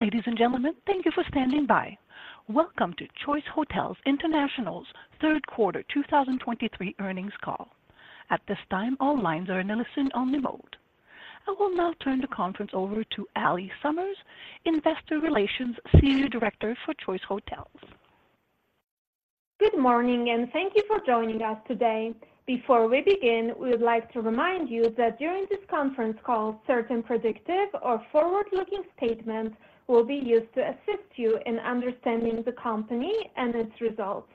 Ladies and gentlemen, thank you for standing by. Welcome to Choice Hotels International's Q3 2023 earnings call. At this time, all lines are in a listen-only mode. I will now turn the conference over to Allie Summers, Senior Director, Investor Relations for Choice Hotels. Good morning and thank you for joining us today. Before we begin, we would like to remind you that during this conference call, certain predictive or forward-looking statements will be used to assist you in understanding the company and its results.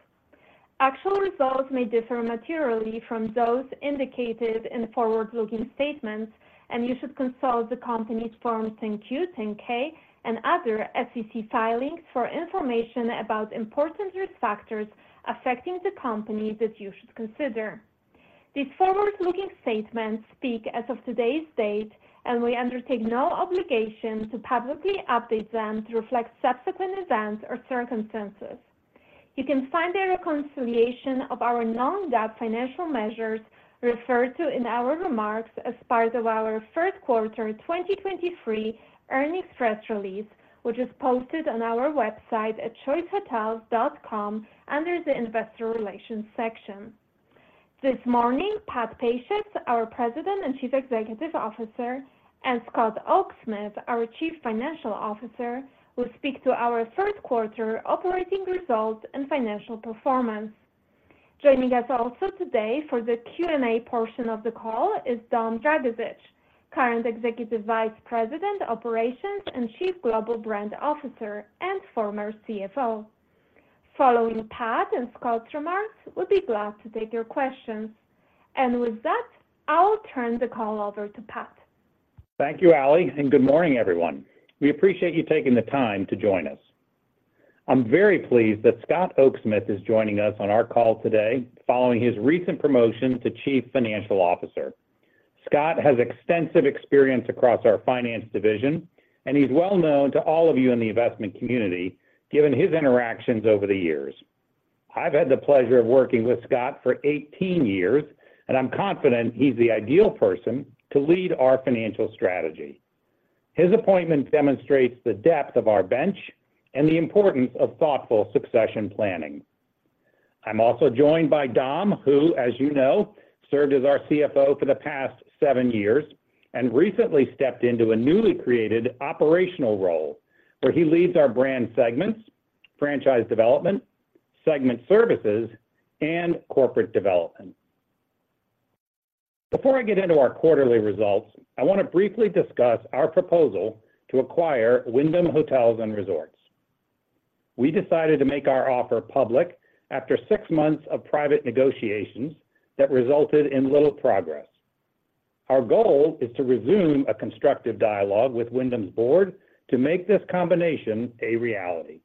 Actual results may differ materially from those indicated in the forward-looking statements, and you should consult the company's Form 10-Q, 10-K, and other SEC filings for information about important risk factors affecting the company that you should consider. These forward-looking statements speak as of today's date, and we undertake no obligation to publicly update them to reflect subsequent events or circumstances. You can find a reconciliation of our non-GAAP financial measures referred to in our remarks as part of our third quarter 2023 earnings press release, which is posted on our website at choicehotels.com under the Investor Relations section. This morning, Pat Pacious, our President and Chief Executive Officer, and Scott Oaksmith, our Chief Financial Officer, will speak to our third quarter operating results and financial performance. Joining us also today for the Q&A portion of the call is Dom Dragisich, current Executive Vice President, Operations, and Chief Global Brand Officer, and former CFO. Following Pat and Scott's remarks, we'll be glad to take your questions. With that, I'll turn the call over to Pat. Thank you, Allie, and good morning, everyone. We appreciate you taking the time to join us. I'm very pleased that Scott Oaksmith is joining us on our call today following his recent promotion to Chief Financial Officer. Scott has extensive experience across our finance division, and he's well known to all of you in the investment community, given his interactions over the years. I've had the pleasure of working with Scott for 18 years, and I'm confident he's the ideal person to lead our financial strategy. His appointment demonstrates the depth of our bench and the importance of thoughtful succession planning. I'm also joined by Dom, who, as you know, served as our CFO for the past 7 years and recently stepped into a newly created operational role, where he leads our brand segments, franchise development, segment services, and corporate development. Before I get into our quarterly results, I want to briefly discuss our proposal to acquire Wyndham Hotels & Resorts. We decided to make our offer public after six months of private negotiations that resulted in little progress. Our goal is to resume a constructive dialogue with Wyndham's board to make this combination a reality.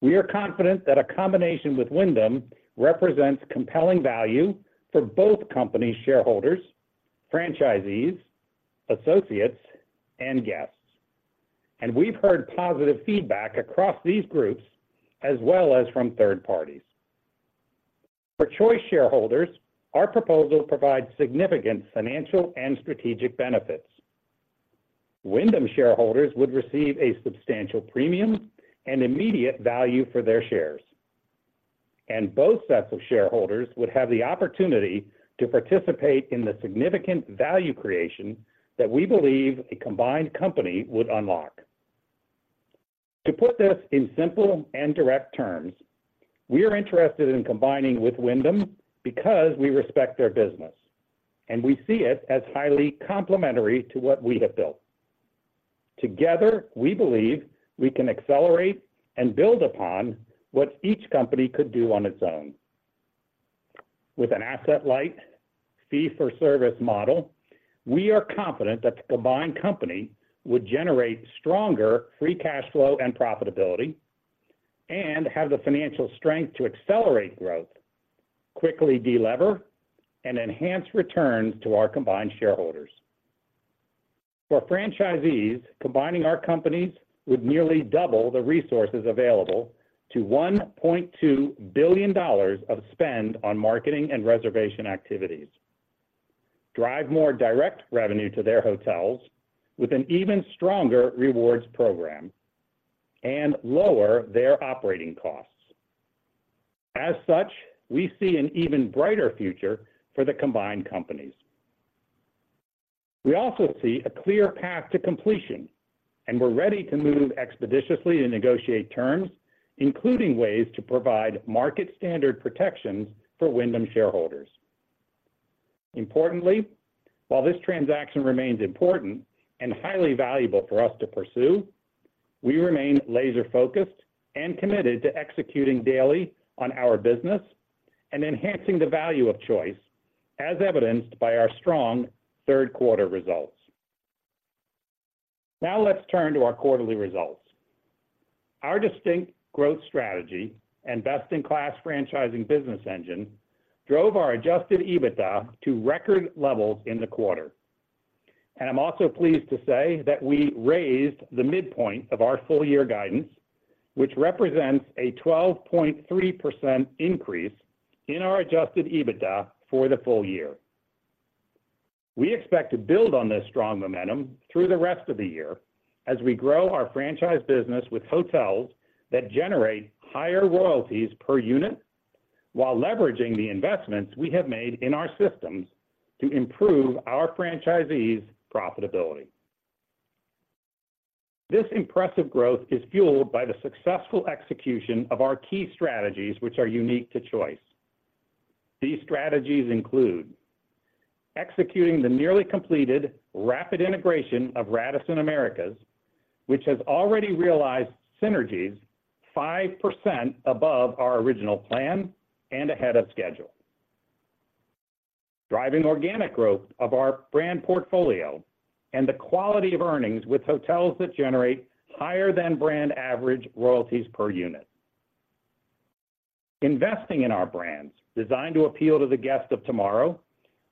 We are confident that a combination with Wyndham represents compelling value for both companies, shareholders, franchisees, associates, and guests, and we've heard positive feedback across these groups as well as from third parties. For Choice shareholders, our proposal provides significant financial and strategic benefits. Wyndham shareholders would receive a substantial premium and immediate value for their shares, and both sets of shareholders would have the opportunity to participate in the significant value creation that we believe a combined company would unlock. To put this in simple and direct terms, we are interested in combining with Wyndham because we respect their business, and we see it as highly complementary to what we have built. Together, we believe we can accelerate and build upon what each company could do on its own. With an asset-light, fee-for-service model, we are confident that the combined company would generate stronger free cash flow and profitability and have the financial strength to accelerate growth, quickly delever, and enhance returns to our combined shareholders. For franchisees, combining our companies would nearly double the resources available to $1.2 billion of spend on marketing and reservation activities, drive more direct revenue to their hotels with an even stronger rewards program, and lower their operating costs. As such, we see an even brighter future for the combined companies. We also see a clear path to completion, and we're ready to move expeditiously to negotiate terms, including ways to provide market-standard protections for Wyndham shareholders. Importantly, while this transaction remains important and highly valuable for us to pursue, we remain laser-focused and committed to executing daily on our business and enhancing the value of Choice, as evidenced by our strong third quarter results. Now, let's turn to our quarterly results. Our distinct growth strategy and best-in-class franchising business engine drove our adjusted EBITDA to record levels in the quarter. I'm also pleased to say that we raised the midpoint of our full-year guidance, which represents a 12.3% increase in our adjusted EBITDA for the full year.... We expect to build on this strong momentum through the rest of the year as we grow our franchise business with hotels that generate higher royalties per unit, while leveraging the investments we have made in our systems to improve our franchisees' profitability. This impressive growth is fueled by the successful execution of our key strategies, which are unique to Choice. These strategies include: executing the nearly completed rapid integration of Radisson Americas, which has already realized synergies 5% above our original plan and ahead of schedule. Driving organic growth of our brand portfolio and the quality of earnings with hotels that generate higher-than-brand average royalties per unit. Investing in our brands, designed to appeal to the guests of tomorrow,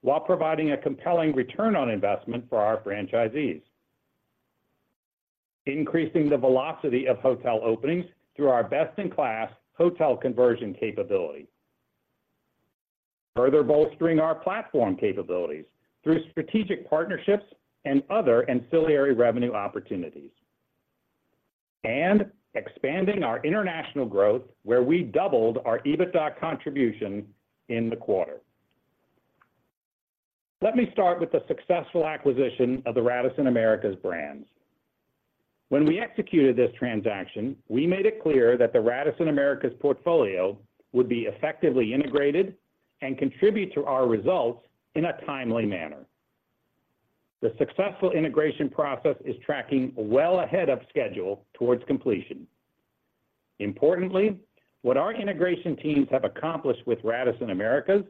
while providing a compelling return on investment for our franchisees. Increasing the velocity of hotel openings through our best-in-class hotel conversion capability. Further bolstering our platform capabilities through strategic partnerships and other ancillary revenue opportunities, and expanding our international growth, where we doubled our EBITDA contribution in the quarter. Let me start with the successful acquisition of the Radisson Americas brands. When we executed this transaction, we made it clear that the Radisson Americas portfolio would be effectively integrated and contribute to our results in a timely manner. The successful integration process is tracking well ahead of schedule towards completion. Importantly, what our integration teams have accomplished with Radisson Americas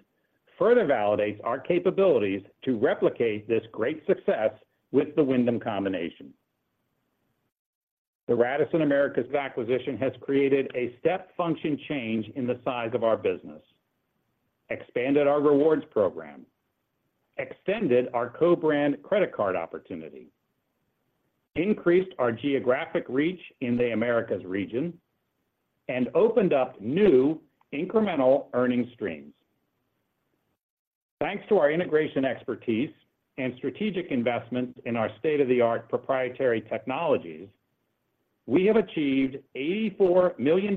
further validates our capabilities to replicate this great success with the Wyndham combination. The Radisson Americas acquisition has created a step function change in the size of our business, expanded our rewards program, extended our co-brand credit card opportunity, increased our geographic reach in the Americas region, and opened up new incremental earning streams. Thanks to our integration expertise and strategic investment in our state-of-the-art proprietary technologies, we have achieved $84 million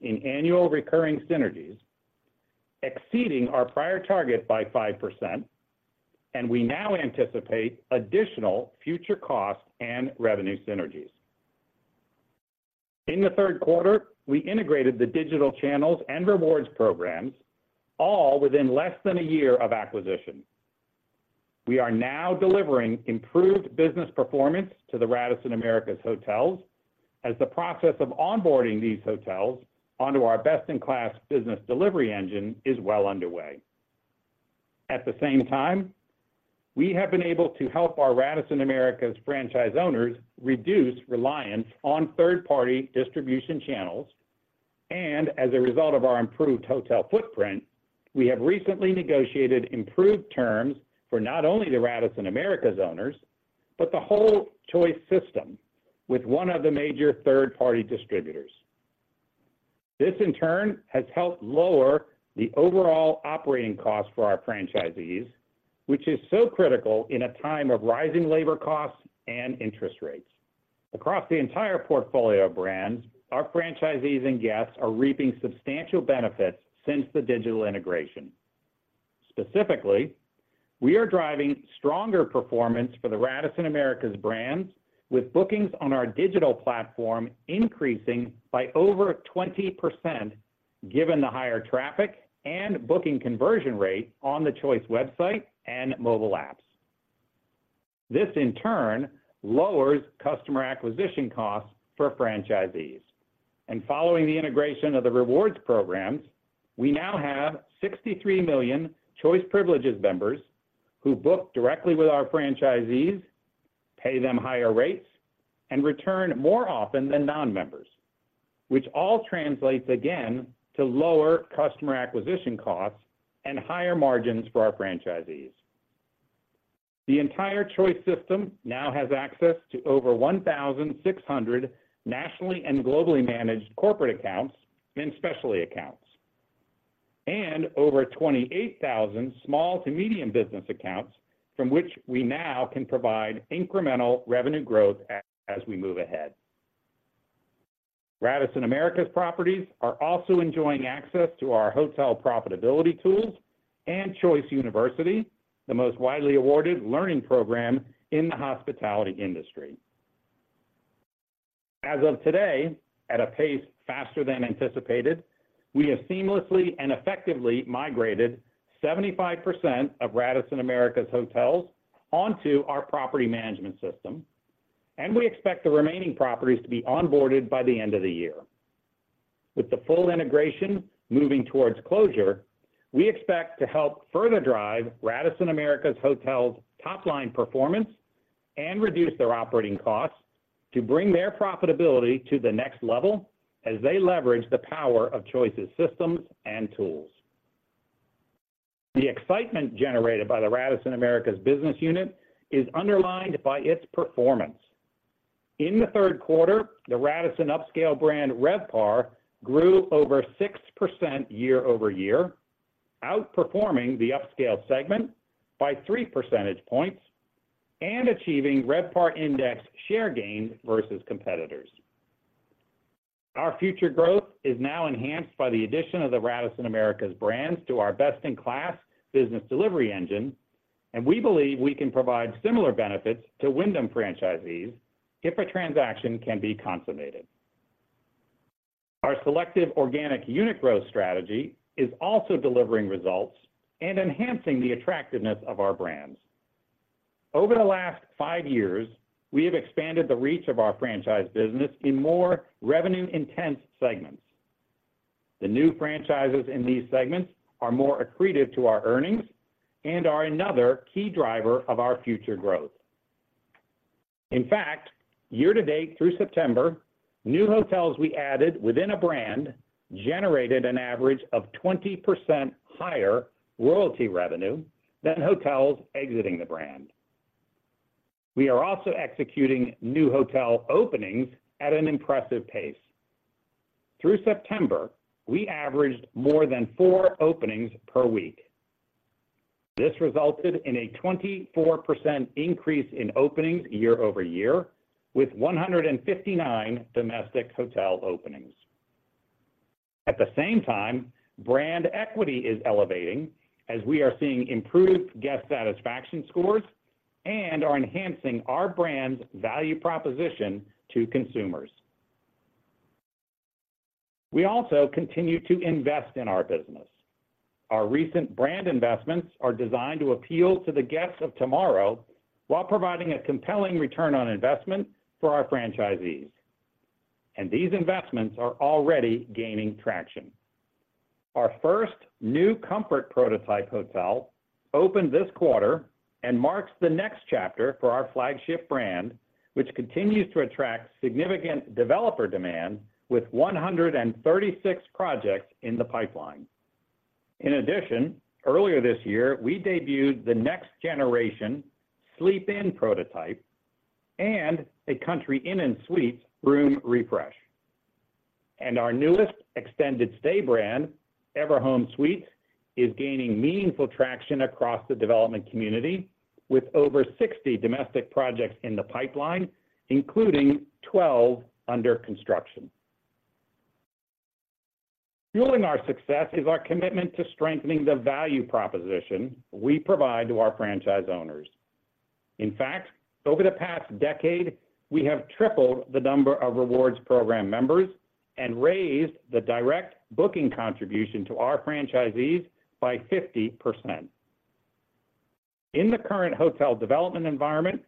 in annual recurring synergies, exceeding our prior target by 5%, and we now anticipate additional future costs and revenue synergies. In the third quarter, we integrated the digital channels and rewards programs, all within less than a year of acquisition. We are now delivering improved business performance to the Radisson Americas hotels, as the process of onboarding these hotels onto our best-in-class business delivery engine is well underway. At the same time, we have been able to help our Radisson Americas franchise owners reduce reliance on third-party distribution channels, and as a result of our improved hotel footprint, we have recently negotiated improved terms for not only the Radisson Americas owners, but the whole Choice system with one of the major third-party distributors. This in turn, has helped lower the overall operating costs for our franchisees, which is so critical in a time of rising labor costs and interest rates. Across the entire portfolio of brands, our franchisees and guests are reaping substantial benefits since the digital integration. Specifically, we are driving stronger performance for the Radisson Americas brands, with bookings on our digital platform increasing by over 20%, given the higher traffic and booking conversion rate on the Choice website and mobile apps. This in turn, lowers customer acquisition costs for franchisees. And following the integration of the rewards programs, we now have 63 million Choice Privileges members who book directly with our franchisees, pay them higher rates, and return more often than non-members, which all translates again to lower customer acquisition costs and higher margins for our franchisees. The entire Choice system now has access to over 1,600 nationally and globally managed corporate accounts and specialty accounts, and over 28,000 small to medium business accounts from which we now can provide incremental revenue growth as we move ahead. Radisson Americas properties are also enjoying access to our hotel profitability tools and Choice University, the most widely awarded learning program in the hospitality industry. As of today, at a pace faster than anticipated, we have seamlessly and effectively migrated 75% of Radisson Americas hotels onto our property management system, and we expect the remaining properties to be onboarded by the end of the year. With the full integration moving towards closure, we expect to help further drive Radisson Americas hotels' top-line performance and reduce their operating costs to bring their profitability to the next level as they leverage the power of Choice's systems and tools. The excitement generated by the Radisson Americas business unit is underlined by its performance. In the Q3, the Radisson upscale brand RevPAR grew over 6% year-over-year, outperforming the upscale segment by three percentage points, and achieving RevPAR index share gains versus competitors. Our future growth is now enhanced by the addition of the Radisson Americas brands to our best-in-class business delivery engine, and we believe we can provide similar benefits to Wyndham franchisees if a transaction can be consummated. Our selective organic unit growth strategy is also delivering results and enhancing the attractiveness of our brands. Over the last 5 years, we have expanded the reach of our franchise business in more revenue-intense segments. The new franchises in these segments are more accretive to our earnings and are another key driver of our future growth. In fact, year-to-date through September, new hotels we added within a brand generated an average of 20% higher royalty revenue than hotels exiting the brand. We are also executing new hotel openings at an impressive pace. Through September, we averaged more than 4 openings per week. This resulted in a 24% increase in openings year-over-year, with 159 domestic hotel openings. At the same time, brand equity is elevating as we are seeing improved guest satisfaction scores and are enhancing our brand's value proposition to consumers. We also continue to invest in our business. Our recent brand investments are designed to appeal to the guests of tomorrow, while providing a compelling return on investment for our franchisees, and these investments are already gaining traction. Our first new Comfort prototype hotel opened this quarter and marks the next chapter for our flagship brand, which continues to attract significant developer demand with 136 projects in the pipeline. In addition, earlier this year, we debuted the next generation Sleep Inn prototype and a Country Inn & Suites room refresh. Our newest extended stay brand, Everhome Suites, is gaining meaningful traction across the development community, with over 60 domestic projects in the pipeline, including 12 under construction. Fueling our success is our commitment to strengthening the value proposition we provide to our franchise owners. In fact, over the past decade, we have tripled the number of rewards program members and raised the direct booking contribution to our franchisees by 50%. In the current hotel development environment,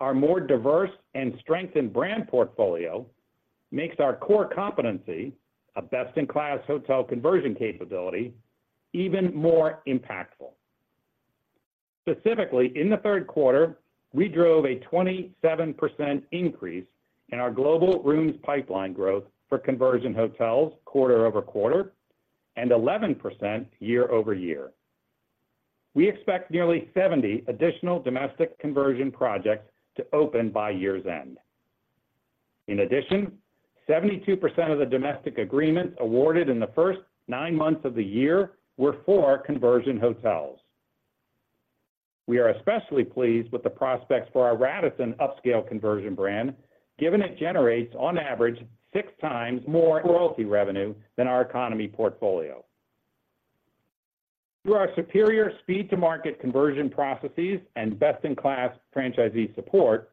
our more diverse and strengthened brand portfolio makes our core competency, a best-in-class hotel conversion capability, even more impactful. Specifically, in the Q3, we drove a 27% increase in our global rooms pipeline growth for conversion hotels quarter over quarter, and 11% year over year. We expect nearly 70 additional domestic conversion projects to open by year's end. In addition, 72% of the domestic agreements awarded in the first 9 months of the year were for our conversion hotels. We are especially pleased with the prospects for our Radisson upscale conversion brand, given it generates, on average, 6 times more royalty revenue than our economy portfolio. Through our superior speed-to-market conversion processes and best-in-class franchisee support,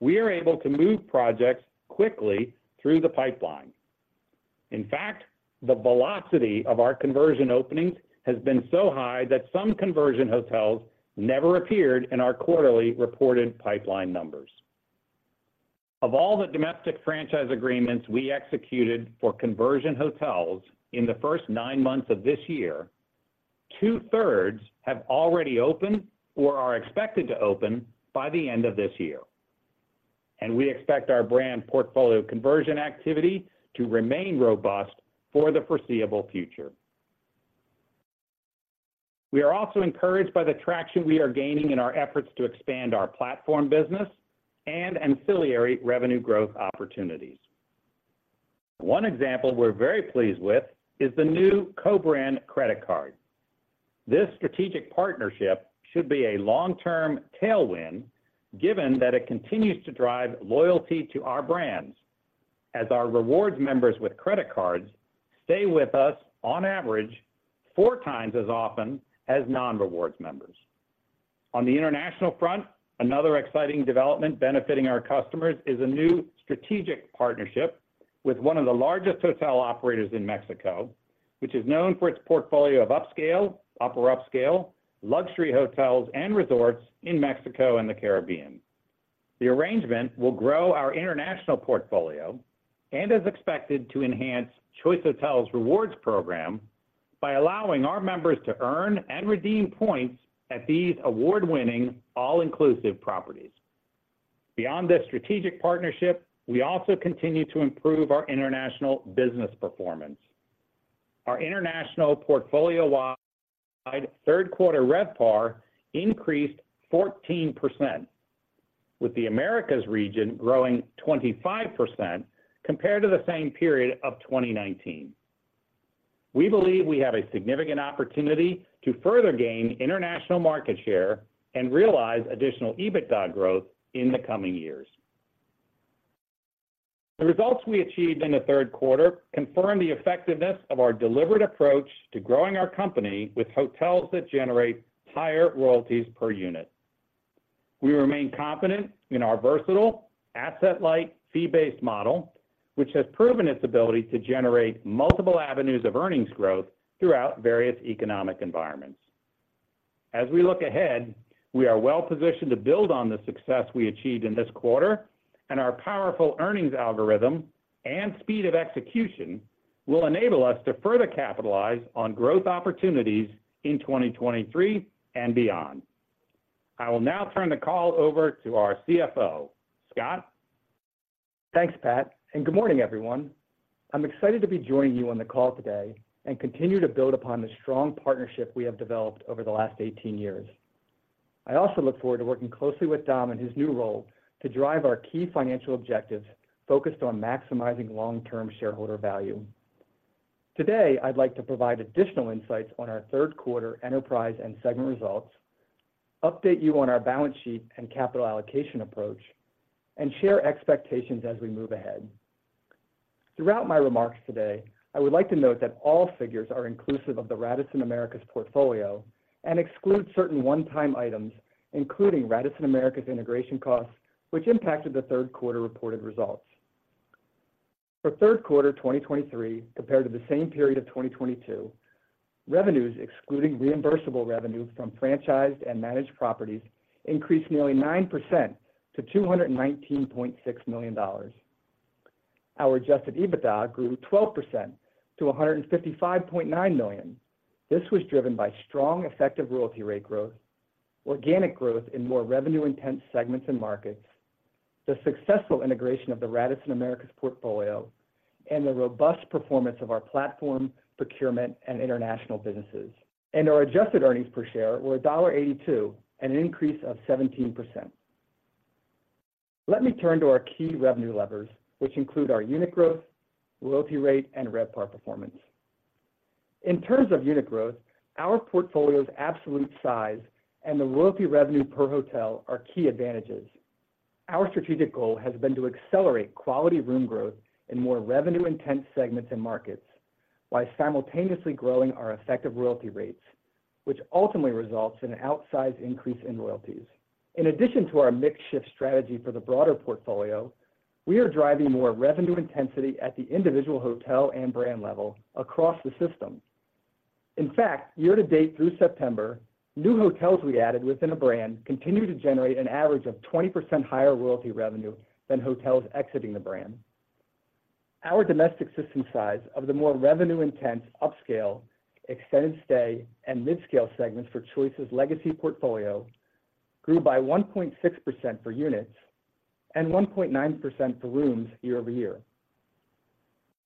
we are able to move projects quickly through the pipeline. In fact, the velocity of our conversion openings has been so high that some conversion hotels never appeared in our quarterly reported pipeline numbers. Of all the domestic franchise agreements we executed for conversion hotels in the first nine months of this year, two-thirds have already opened or are expected to open by the end of this year, and we expect our brand portfolio conversion activity to remain robust for the foreseeable future. We are also encouraged by the traction we are gaining in our efforts to expand our platform business and ancillary revenue growth opportunities. One example we're very pleased with is the new co-brand credit card. This strategic partnership should be a long-term tailwind, given that it continues to drive loyalty to our brands, as our rewards members with credit cards stay with us on average four times as often as non-rewards members. On the international front, another exciting development benefiting our customers is a new strategic partnership with one of the largest hotel operators in Mexico, which is known for its portfolio of upscale, upper upscale, luxury hotels and resorts in Mexico and the Caribbean. The arrangement will grow our international portfolio and is expected to enhance Choice Hotels' rewards program by allowing our members to earn and redeem points at these award-winning, all-inclusive properties. Beyond this strategic partnership, we also continue to improve our international business performance. Our international portfolio-wide Q3 RevPAR increased 14%, with the Americas region growing 25% compared to the same period of 2019. We believe we have a significant opportunity to further gain international market share and realize additional EBITDA growth in the coming years. The results we achieved in the Q3 confirm the effectiveness of our deliberate approach to growing our company with hotels that generate higher royalties per unit. We remain confident in our versatile asset-light, fee-based model, which has proven its ability to generate multiple avenues of earnings growth throughout various economic environments. As we look ahead, we are well positioned to build on the success we achieved in this quarter, and our powerful earnings algorithm and speed of execution will enable us to further capitalize on growth opportunities in 2023 and beyond. I will now turn the call over to our CFO. Scott? Thanks Pat and good morning everyone. I'm excited to be joining you on the call today and continue to build upon the strong partnership we have developed over the last 18 years. I also look forward to working closely with Dom in his new role to drive our key financial objectives focused on maximizing long-term shareholder value. Today, I'd like to provide additional insights on our Q3 enterprise and segment results, update you on our balance sheet and capital allocation approach, and share expectations as we move ahead. Throughout my remarks today, I would like to note that all figures are inclusive of the Radisson Americas portfolio and exclude certain one-time items, including Radisson Americas integration costs, which impacted the Q3 reported results. For third quarter 2023 compared to the same period of 2022, revenues excluding reimbursable revenue from franchised and managed properties increased nearly 9% to $219.6 million. Our Adjusted EBITDA grew 12% to $155.9 million. This was driven by strong effective royalty rate growth, organic growth in more revenue-intense segments and markets, the successful integration of the Radisson Americas portfolio, and the robust performance of our platform, procurement, and international businesses. Our adjusted earnings per share were $1.82, an increase of 17%. Let me turn to our key revenue levers, which include our unit growth, royalty rate, and RevPAR performance. In terms of unit growth, our portfolio's absolute size and the royalty revenue per hotel are key advantages. Our strategic goal has been to accelerate quality room growth in more revenue-intense segments and markets, while simultaneously growing our effective royalty rates, which ultimately results in an outsized increase in royalties. In addition to our mix shift strategy for the broader portfolio, we are driving more revenue intensity at the individual hotel and brand level across the system. In fact, year-to-date through September, new hotels we added within a brand continued to generate an average of 20% higher royalty revenue than hotels exiting the brand. Our domestic system size of the more revenue-intense, upscale, extended stay, and midscale segments for Choice's legacy portfolio grew by 1.6% for units and 1.9% for rooms year-over-year.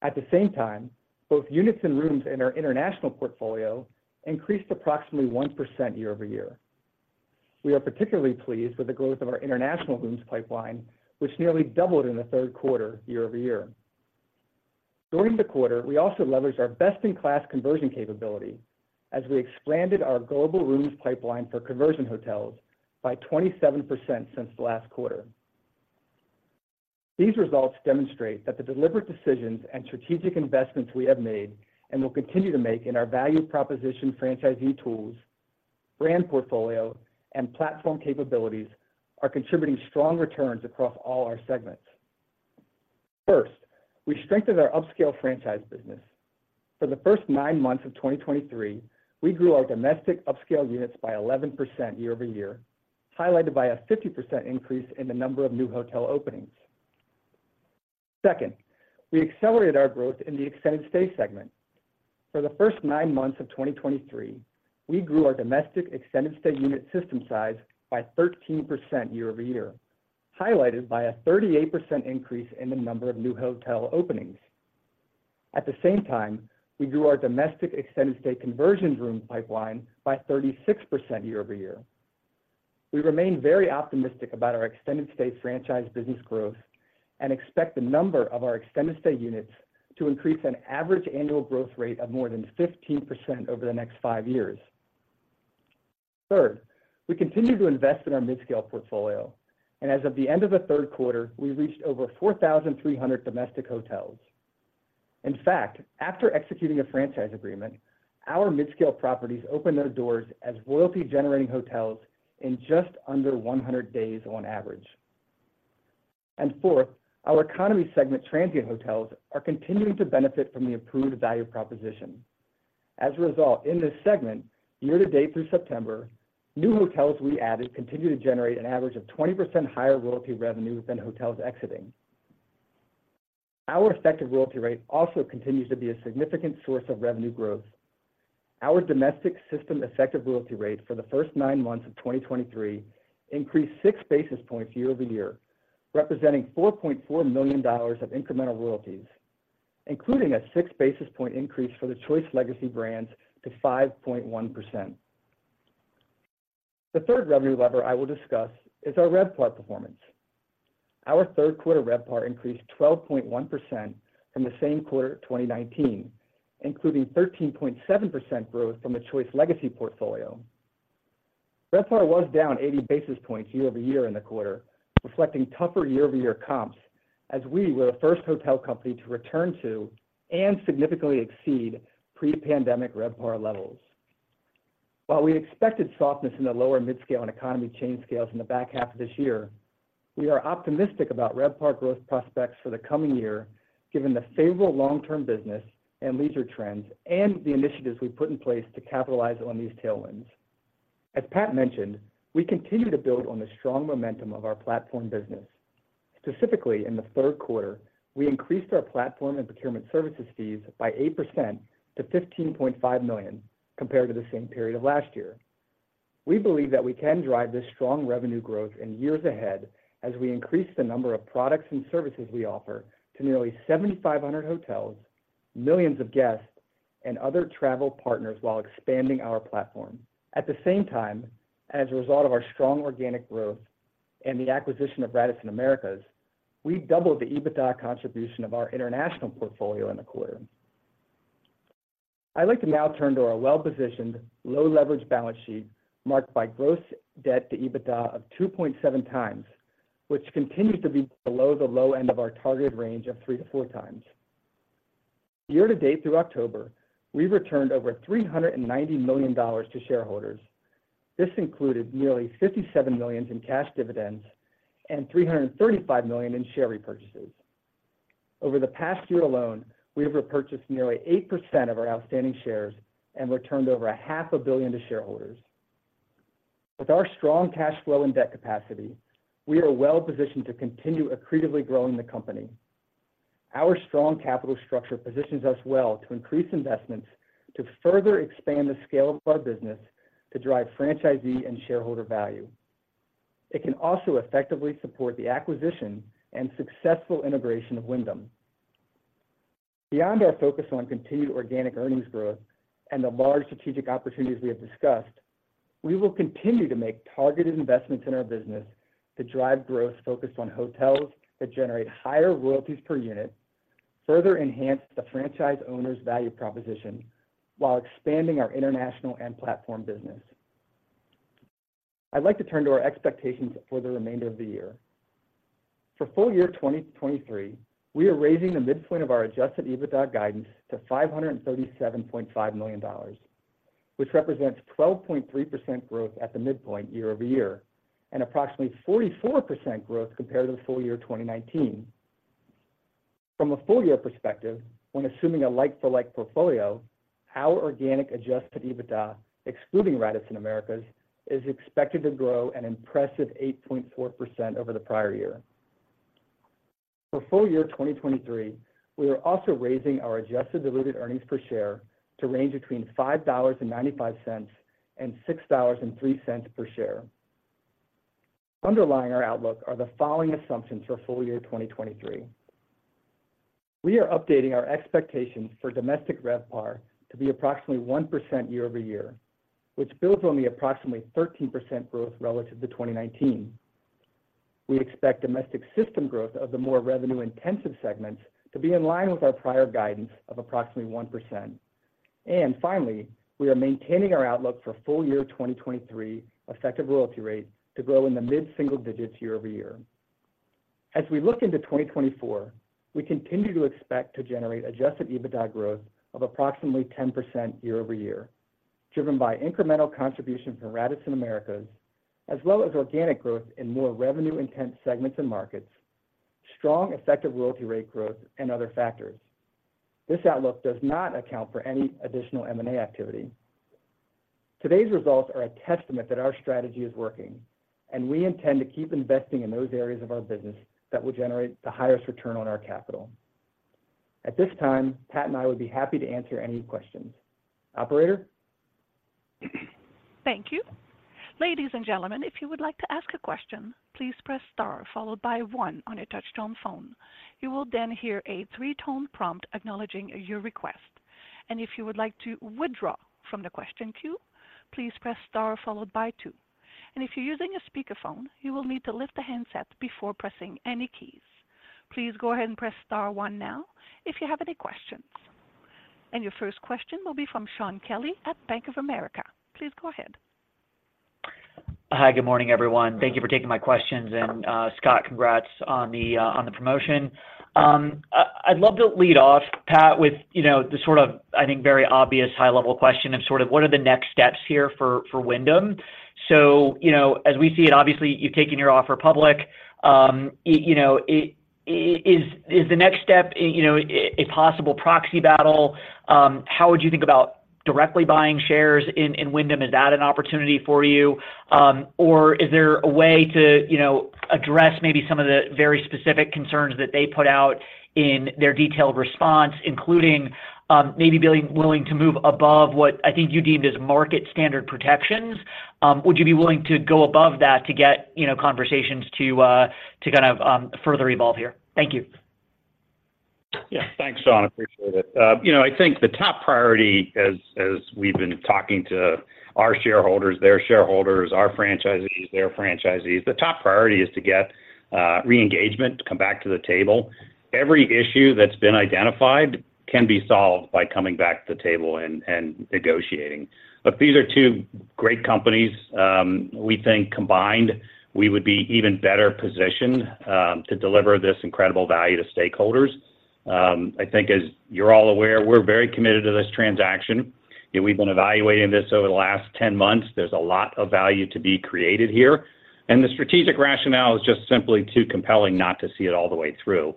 At the same time, both units and rooms in our international portfolio increased approximately 1% year-over-year. We are particularly pleased with the growth of our international rooms pipeline, which nearly doubled in the third quarter year-over-year. During the quarter, we also leveraged our best-in-class conversion capability as we expanded our global rooms pipeline for conversion hotels by 27% since last quarter. These results demonstrate that the deliberate decisions and strategic investments we have made and will continue to make in our value proposition franchisee tools, brand portfolio, and platform capabilities, are contributing strong returns across all our segments. First, we strengthened our upscale franchise business. For the first nine months of 2023, we grew our domestic upscale units by 11% year-over-year, highlighted by a 50% increase in the number of new hotel openings. Second, we accelerated our growth in the extended stay segment. For the first 9 months of 2023, we grew our domestic extended stay unit system size by 13% year-over-year, highlighted by a 38% increase in the number of new hotel openings. At the same time, we grew our domestic extended stay conversions room pipeline by 36% year-over-year. We remain very optimistic about our extended stay franchise business growth and expect the number of our extended stay units to increase an average annual growth rate of more than 15% over the next 5 years. Third, we continue to invest in our midscale portfolio, and as of the end of the Q3, we reached over 4,300 domestic hotels. In fact, after executing a franchise agreement, our midscale properties opened their doors as royalty-generating hotels in just under 100 days on average. Fourth, our economy segment transient hotels are continuing to benefit from the improved value proposition. As a result, in this segment, year to date through September, new hotels we added continued to generate an average of 20% higher royalty revenue than hotels exiting. Our effective royalty rate also continues to be a significant source of revenue growth.... Our domestic system effective royalty rate for the first 9 months of 2023 increased 6 basis points year-over-year, representing $4.4 million of incremental royalties, including a 6 basis point increase for the Choice legacy brands to 5.1%. The third revenue lever I will discuss is our RevPAR performance. Our Q3 RevPAR increased 12.1% from the same quarter of 2019, including 13.7% growth from the Choice legacy portfolio. RevPAR was down 80 basis points year-over-year in the quarter, reflecting tougher year-over-year comps, as we were the first hotel company to return to and significantly exceed pre-pandemic RevPAR levels. While we expected softness in the lower midscale and economy chain scales in the back half of this year, we are optimistic about RevPAR growth prospects for the coming year, given the favorable long-term business and leisure trends and the initiatives we've put in place to capitalize on these tailwinds. As Pat mentioned, we continue to build on the strong momentum of our platform business. Specifically, in the third quarter, we increased our platform and procurement services fees by 8% to $15.5 million, compared to the same period of last year. We believe that we can drive this strong revenue growth in years ahead as we increase the number of products and services we offer to nearly 7,500 hotels, millions of guests, and other travel partners while expanding our platform. At the same time, as a result of our strong organic growth and the acquisition of Radisson Americas, we doubled the EBITDA contribution of our international portfolio in the quarter. I'd like to now turn to our well-positioned, low leverage balance sheet, marked by gross debt to EBITDA of 2.7 times, which continues to be below the low end of our targeted range of 3-4 times. Year to date through October, we returned over $390 million to shareholders. This included nearly $57 million in cash dividends and $335 million in share repurchases. Over the past year alone, we have repurchased nearly 8% of our outstanding shares and returned over $500 million to shareholders. With our strong cash flow and debt capacity, we are well positioned to continue accretively growing the company. Our strong capital structure positions us well to increase investments to further expand the scale of our business to drive franchisee and shareholder value. It can also effectively support the acquisition and successful integration of Wyndham. Beyond our focus on continued organic earnings growth and the large strategic opportunities we have discussed, we will continue to make targeted investments in our business to drive growth focused on hotels that generate higher royalties per unit, further enhance the franchise owner's value proposition, while expanding our international and platform business. I'd like to turn to our expectations for the remainder of the year. For full year 2023, we are raising the midpoint of our Adjusted EBITDA guidance to $537.5 million, which represents 12.3% growth at the midpoint year-over-year, and approximately 44% growth compared to the full year 2019. From a full year perspective, when assuming a like-for-like portfolio, our organic Adjusted EBITDA, excluding Radisson Americas, is expected to grow an impressive 8.4% over the prior year. For full year 2023, we are also raising our adjusted diluted earnings per share to range between $5.95 and $6.03 per share. Underlying our outlook are the following assumptions for full year 2023: We are updating our expectations for domestic RevPAR to be approximately 1% year-over-year, which builds on the approximately 13% growth relative to 2019. We expect domestic system growth of the more revenue-intensive segments to be in line with our prior guidance of approximately 1%. And finally, we are maintaining our outlook for full year 2023 effective royalty rate to grow in the mid-single digits year-over-year. As we look into 2024, we continue to expect to generate adjusted EBITDA growth of approximately 10% year-over-year, driven by incremental contribution from Radisson Americas, as well as organic growth in more revenue-intense segments and markets, strong effective royalty rate growth, and other factors. This outlook does not account for any additional M&A activity. Today's results are a testament that our strategy is working, and we intend to keep investing in those areas of our business that will generate the highest return on our capital. At this time, Pat and I would be happy to answer any questions. Operator? Thank you. Ladies and gentlemen, if you would like to ask a question, please press star followed by 1 on your touchtone phone. You will then hear a 3-tone prompt acknowledging your request. And if you would like to withdraw from the question queue, please press star followed by 2. And if you're using a speakerphone, you will need to lift the handset before pressing any keys. Please go ahead and press star 1 now if you have any questions. And your first question will be from Shaun Kelley at Bank of America. Please go ahead. Hi, good morning, everyone. Thank you for taking my questions. And, Scott, congrats on the promotion. I'd love to lead off, Pat, with, you know, the sort of, I think, very obvious high-level question of sort of, what are the next steps here for Wyndham? So, you know, as we see it, obviously, you've taken your offer public. You know, is the next step, you know, a possible proxy battle? How would you think about directly buying shares in Wyndham, is that an opportunity for you? Or is there a way to, you know, address maybe some of the very specific concerns that they put out in their detailed response, including, maybe being willing to move above what I think you deemed as market standard protections? Would you be willing to go above that to get, you know, conversations to kind of further evolve here? Thank you. Yeah. Thanks, Shaun, appreciate it. You know, I think the top priority as we've been talking to our shareholders, their shareholders, our franchisees, their franchisees, the top priority is to get re-engagement, to come back to the table. Every issue that's been identified can be solved by coming back to the table and negotiating. But these are two great companies. We think combined, we would be even better positioned to deliver this incredible value to stakeholders. I think as you're all aware, we're very committed to this transaction. Yeah, we've been evaluating this over the last 10 months. There's a lot of value to be created here, and the strategic rationale is just simply too compelling not to see it all the way through.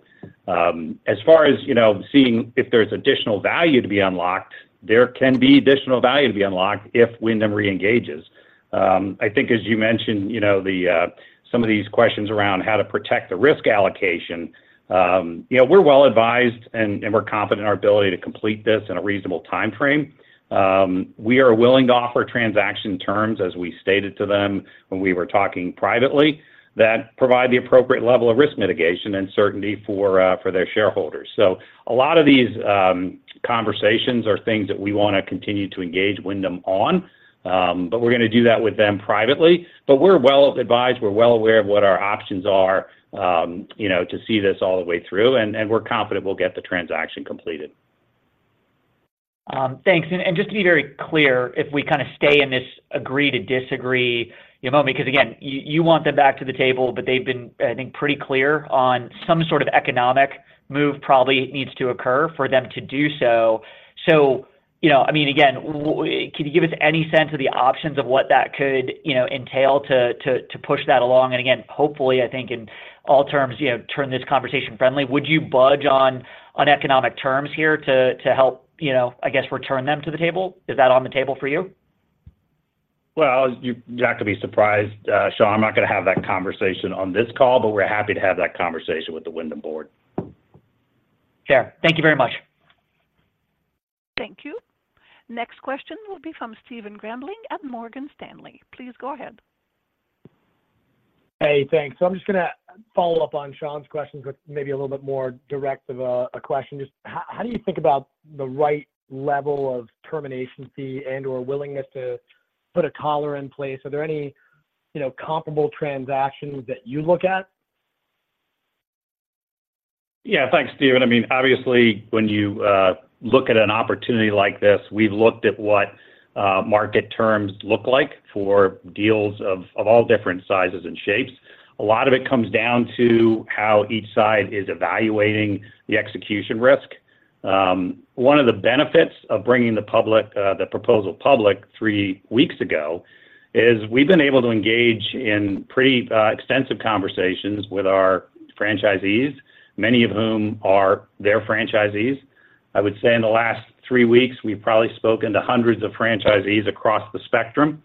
As far as, you know, seeing if there's additional value to be unlocked, there can be additional value to be unlocked if Wyndham reengages. I think as you mentioned, you know, the some of these questions around how to protect the risk allocation, you know, we're well advised, and we're confident in our ability to complete this in a reasonable timeframe. We are willing to offer transaction terms, as we stated to them when we were talking privately, that provide the appropriate level of risk mitigation and certainty for their shareholders. So a lot of these conversations are things that we wanna continue to engage Wyndham on, but we're gonna do that with them privately. We're well advised, we're well aware of what our options are, you know, to see this all the way through, and we're confident we'll get the transaction completed. Thanks. And just to be very clear, if we kind of stay in this agree to disagree, you know, because, again, you want them back to the table, but they've been, I think, pretty clear on some sort of economic move probably needs to occur for them to do so. So, you know, I mean, again, can you give us any sense of the options of what that could, you know, entail to, to, to push that along? And again, hopefully, I think in all terms, you know, turn this conversation friendly. Would you budge on economic terms here to, to help, you know, I guess, return them to the table? Is that on the table for you? Well, you're not gonna be surprised, Shaun, I'm not gonna have that conversation on this call, but we're happy to have that conversation with the Wyndham board. Sure. Thank you very much. Thank you. Next question will be from Stephen Grambling at Morgan Stanley. Please go ahead. Hey thanks. So I'm just gonna follow up on Shaun's questions, but maybe a little bit more direct of a, a question. Just how, how do you think about the right level of termination fee and/or willingness to put a collar in place? Are there any, you know, comparable transactions that you look at? Yeah, thanks, Stephen. I mean, obviously, when you look at an opportunity like this, we've looked at what market terms look like for deals of all different sizes and shapes. A lot of it comes down to how each side is evaluating the execution risk. One of the benefits of bringing the proposal public three weeks ago is we've been able to engage in pretty extensive conversations with our franchisees, many of whom are their franchisees. I would say in the last three weeks, we've probably spoken to hundreds of franchisees across the spectrum.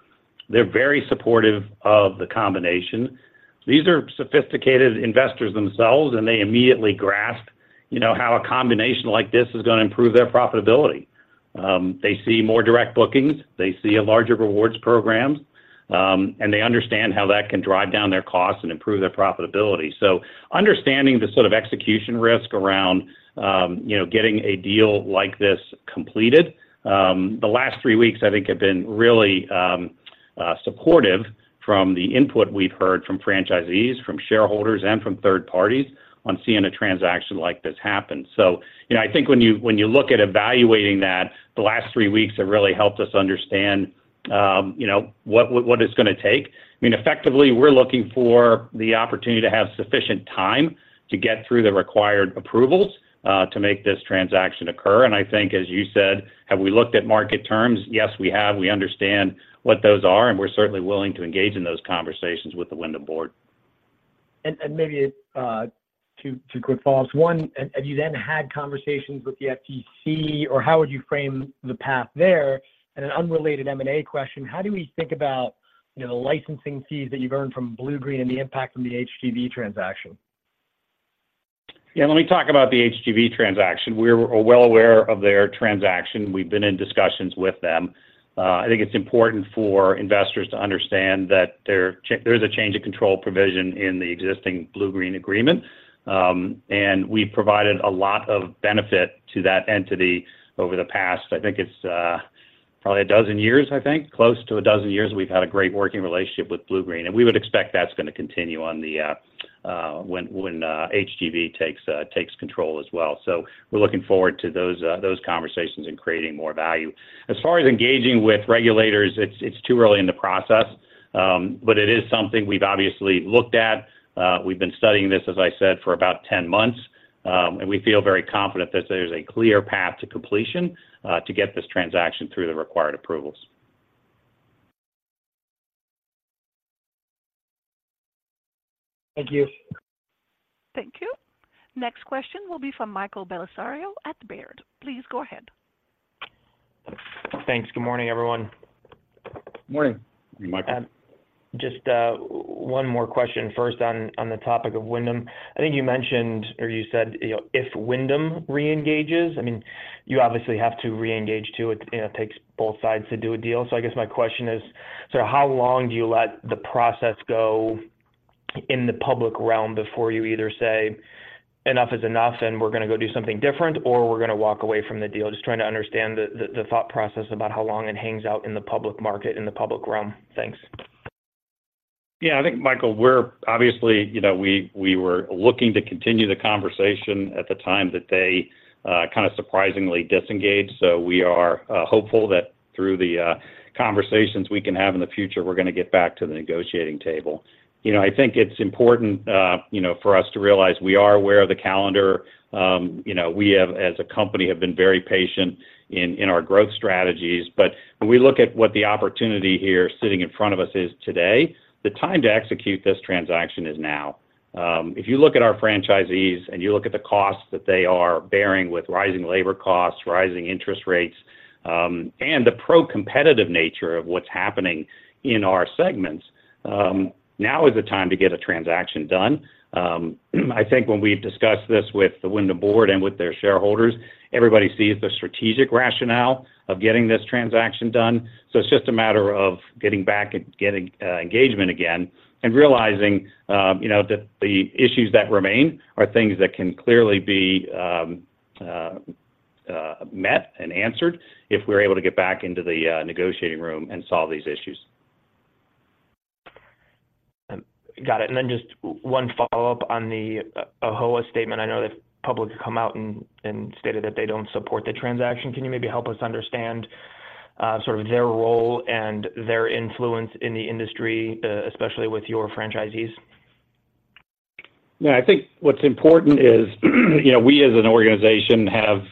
They're very supportive of the combination. These are sophisticated investors themselves, and they immediately grasp, you know, how a combination like this is gonna improve their profitability. They see more direct bookings, they see a larger rewards program, and they understand how that can drive down their costs and improve their profitability. So understanding the sort of execution risk around, you know, getting a deal like this completed, the last three weeks, I think, have been really supportive from the input we've heard from franchisees, from shareholders, and from third parties on seeing a transaction like this happen. So, you know, I think when you, when you look at evaluating that, the last three weeks have really helped us understand, you know, what, what it's gonna take. I mean, effectively, we're looking for the opportunity to have sufficient time to get through the required approvals, to make this transaction occur. I think, as you said, have we looked at market terms? Yes, we have. We understand what those are, and we're certainly willing to engage in those conversations with the Wyndham board. And maybe two quick follows. One, have you then had conversations with the FTC, or how would you frame the path there? And an unrelated M&A question, how do we think about, you know, the licensing fees that you've earned from Bluegreen and the impact from the HGV transaction? Yeah, let me talk about the HGV transaction. We're well aware of their transaction. We've been in discussions with them. I think it's important for investors to understand that there is a change of control provision in the existing Bluegreen agreement, and we provided a lot of benefit to that entity over the past... I think it's probably a dozen years, I think. Close to a dozen years, we've had a great working relationship with Bluegreen, and we would expect that's gonna continue when HGV takes control as well. So we're looking forward to those conversations and creating more value. As far as engaging with regulators, it's too early in the process, but it is something we've obviously looked at. We've been studying this, as I said, for about 10 months, and we feel very confident that there's a clear path to completion, to get this transaction through the required approvals. ... Thank you. Thank you. Next question will be from Michael Bellisario at Baird. Please go ahead. Thanks. Good morning, everyone. Morning. Good morning, Michael. Just 1 more question. First, on the topic of Wyndham, I think you mentioned or you said, you know, if Wyndham reengages, I mean, you obviously have to reengage, too. It, you know, takes both sides to do a deal. So I guess my question is: So how long do you let the process go in the public realm before you either say, "Enough is enough, and we're going to go do something different, or we're going to walk away from the deal?" Just trying to understand the thought process about how long it hangs out in the public market, in the public realm. Thanks. Yeah, I think Michael, we're obviously, you know, we were looking to continue the conversation at the time that they kind of surprisingly disengaged. So we are hopeful that through the conversations we can have in the future, we're going to get back to the negotiating table. You know, I think it's important, you know, for us to realize we are aware of the calendar. You know, we, as a company, have been very patient in our growth strategies. But when we look at what the opportunity here sitting in front of us is today, the time to execute this transaction is now. If you look at our franchisees and you look at the costs that they are bearing with rising labor costs, rising interest rates, and the pro-competitive nature of what's happening in our segments, now is the time to get a transaction done. I think when we've discussed this with the Wyndham board and with their shareholders, everybody sees the strategic rationale of getting this transaction done. So it's just a matter of getting back and getting engagement again and realizing, you know, that the issues that remain are things that can clearly be met and answered if we're able to get back into the negotiating room and solve these issues. Got it. And then just one follow-up on the AAHOA statement. I know the public has come out and stated that they don't support the transaction. Can you maybe help us understand sort of their role and their influence in the industry, especially with your franchisees? Yeah, I think what's important is, you know, we, as an organization, have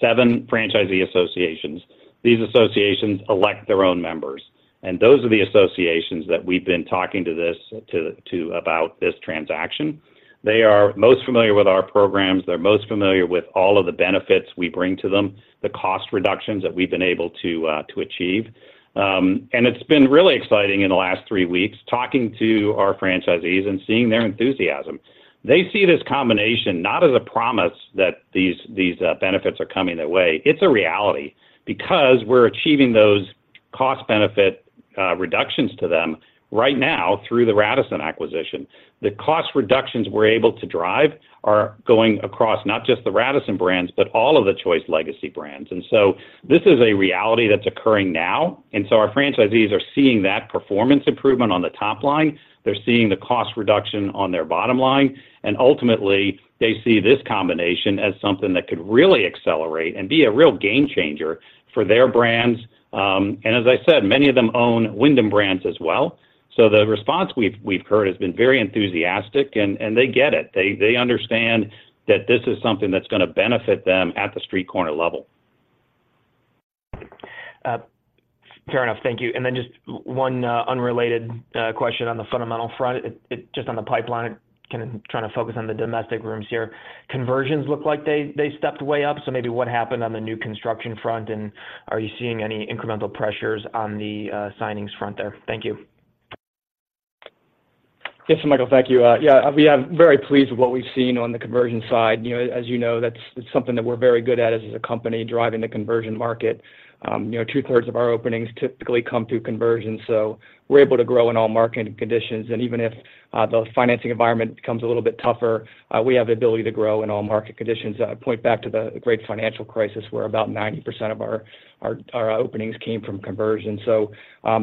seven franchisee associations. These associations elect their own members, and those are the associations that we've been talking to about this transaction. They are most familiar with our programs. They're most familiar with all of the benefits we bring to them, the cost reductions that we've been able to achieve. And it's been really exciting in the last three weeks, talking to our franchisees and seeing their enthusiasm. They see this combination not as a promise that these benefits are coming their way. It's a reality because we're achieving those cost-benefit reductions to them right now through the Radisson acquisition. The cost reductions we're able to drive are going across not just the Radisson brands, but all of the Choice legacy brands. So this is a reality that's occurring now, and so our franchisees are seeing that performance improvement on the top line. They're seeing the cost reduction on their bottom line, and ultimately, they see this combination as something that could really accelerate and be a real game changer for their brands. And as I said, many of them own Wyndham brands as well. So the response we've heard has been very enthusiastic, and they get it. They understand that this is something that's going to benefit them at the street corner level. Fair enough. Thank you. And then just one, unrelated, question on the fundamental front. Just on the pipeline, kind of trying to focus on the domestic rooms here. Conversions look like they stepped way up, so maybe what happened on the new construction front, and are you seeing any incremental pressures on the signings front there? Thank you. Yes Michael, thank you. Yeah, we are very pleased with what we've seen on the conversion side. You know, as you know, that's something that we're very good at as a company, driving the conversion market. You know, two-thirds of our openings typically come through conversions, so we're able to grow in all market conditions. And even if the financing environment becomes a little bit tougher, we have the ability to grow in all market conditions. I point back to the Great Financial Crisis, where about 90% of our openings came from conversions. So,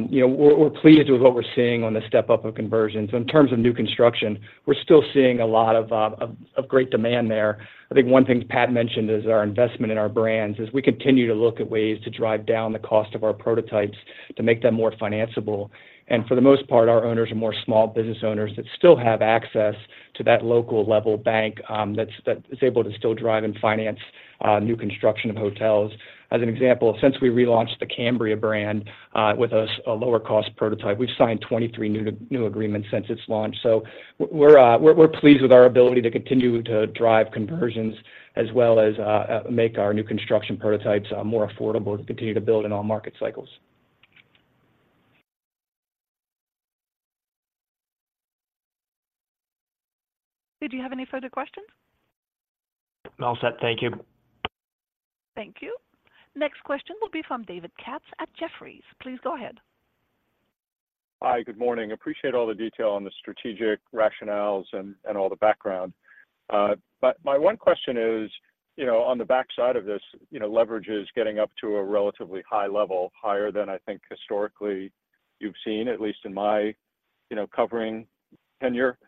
you know, we're pleased with what we're seeing on the step-up of conversions. So in terms of new construction, we're still seeing a lot of great demand there. I think one thing Pat mentioned is our investment in our brands, as we continue to look at ways to drive down the cost of our prototypes to make them more financiable. For the most part, our owners are more small business owners that still have access to that local level bank that's able to still drive and finance new construction of hotels. As an example, since we relaunched the Cambria brand with a lower-cost prototype, we've signed 23 new agreements since its launch. So we're pleased with our ability to continue to drive conversions as well as make our new construction prototypes more affordable to continue to build in all market cycles. Did you have any further questions? I'm all set. Thank you. Thank you. Next question will be from David Katz at Jefferies. Please go ahead. Hi, good morning. Appreciate all the detail on the strategic rationales and all the background. But my one question is, you know, on the backside of this, you know, leverage is getting up to a relatively high level, higher than I think historically you've seen, at least in my, you know, covering tenure.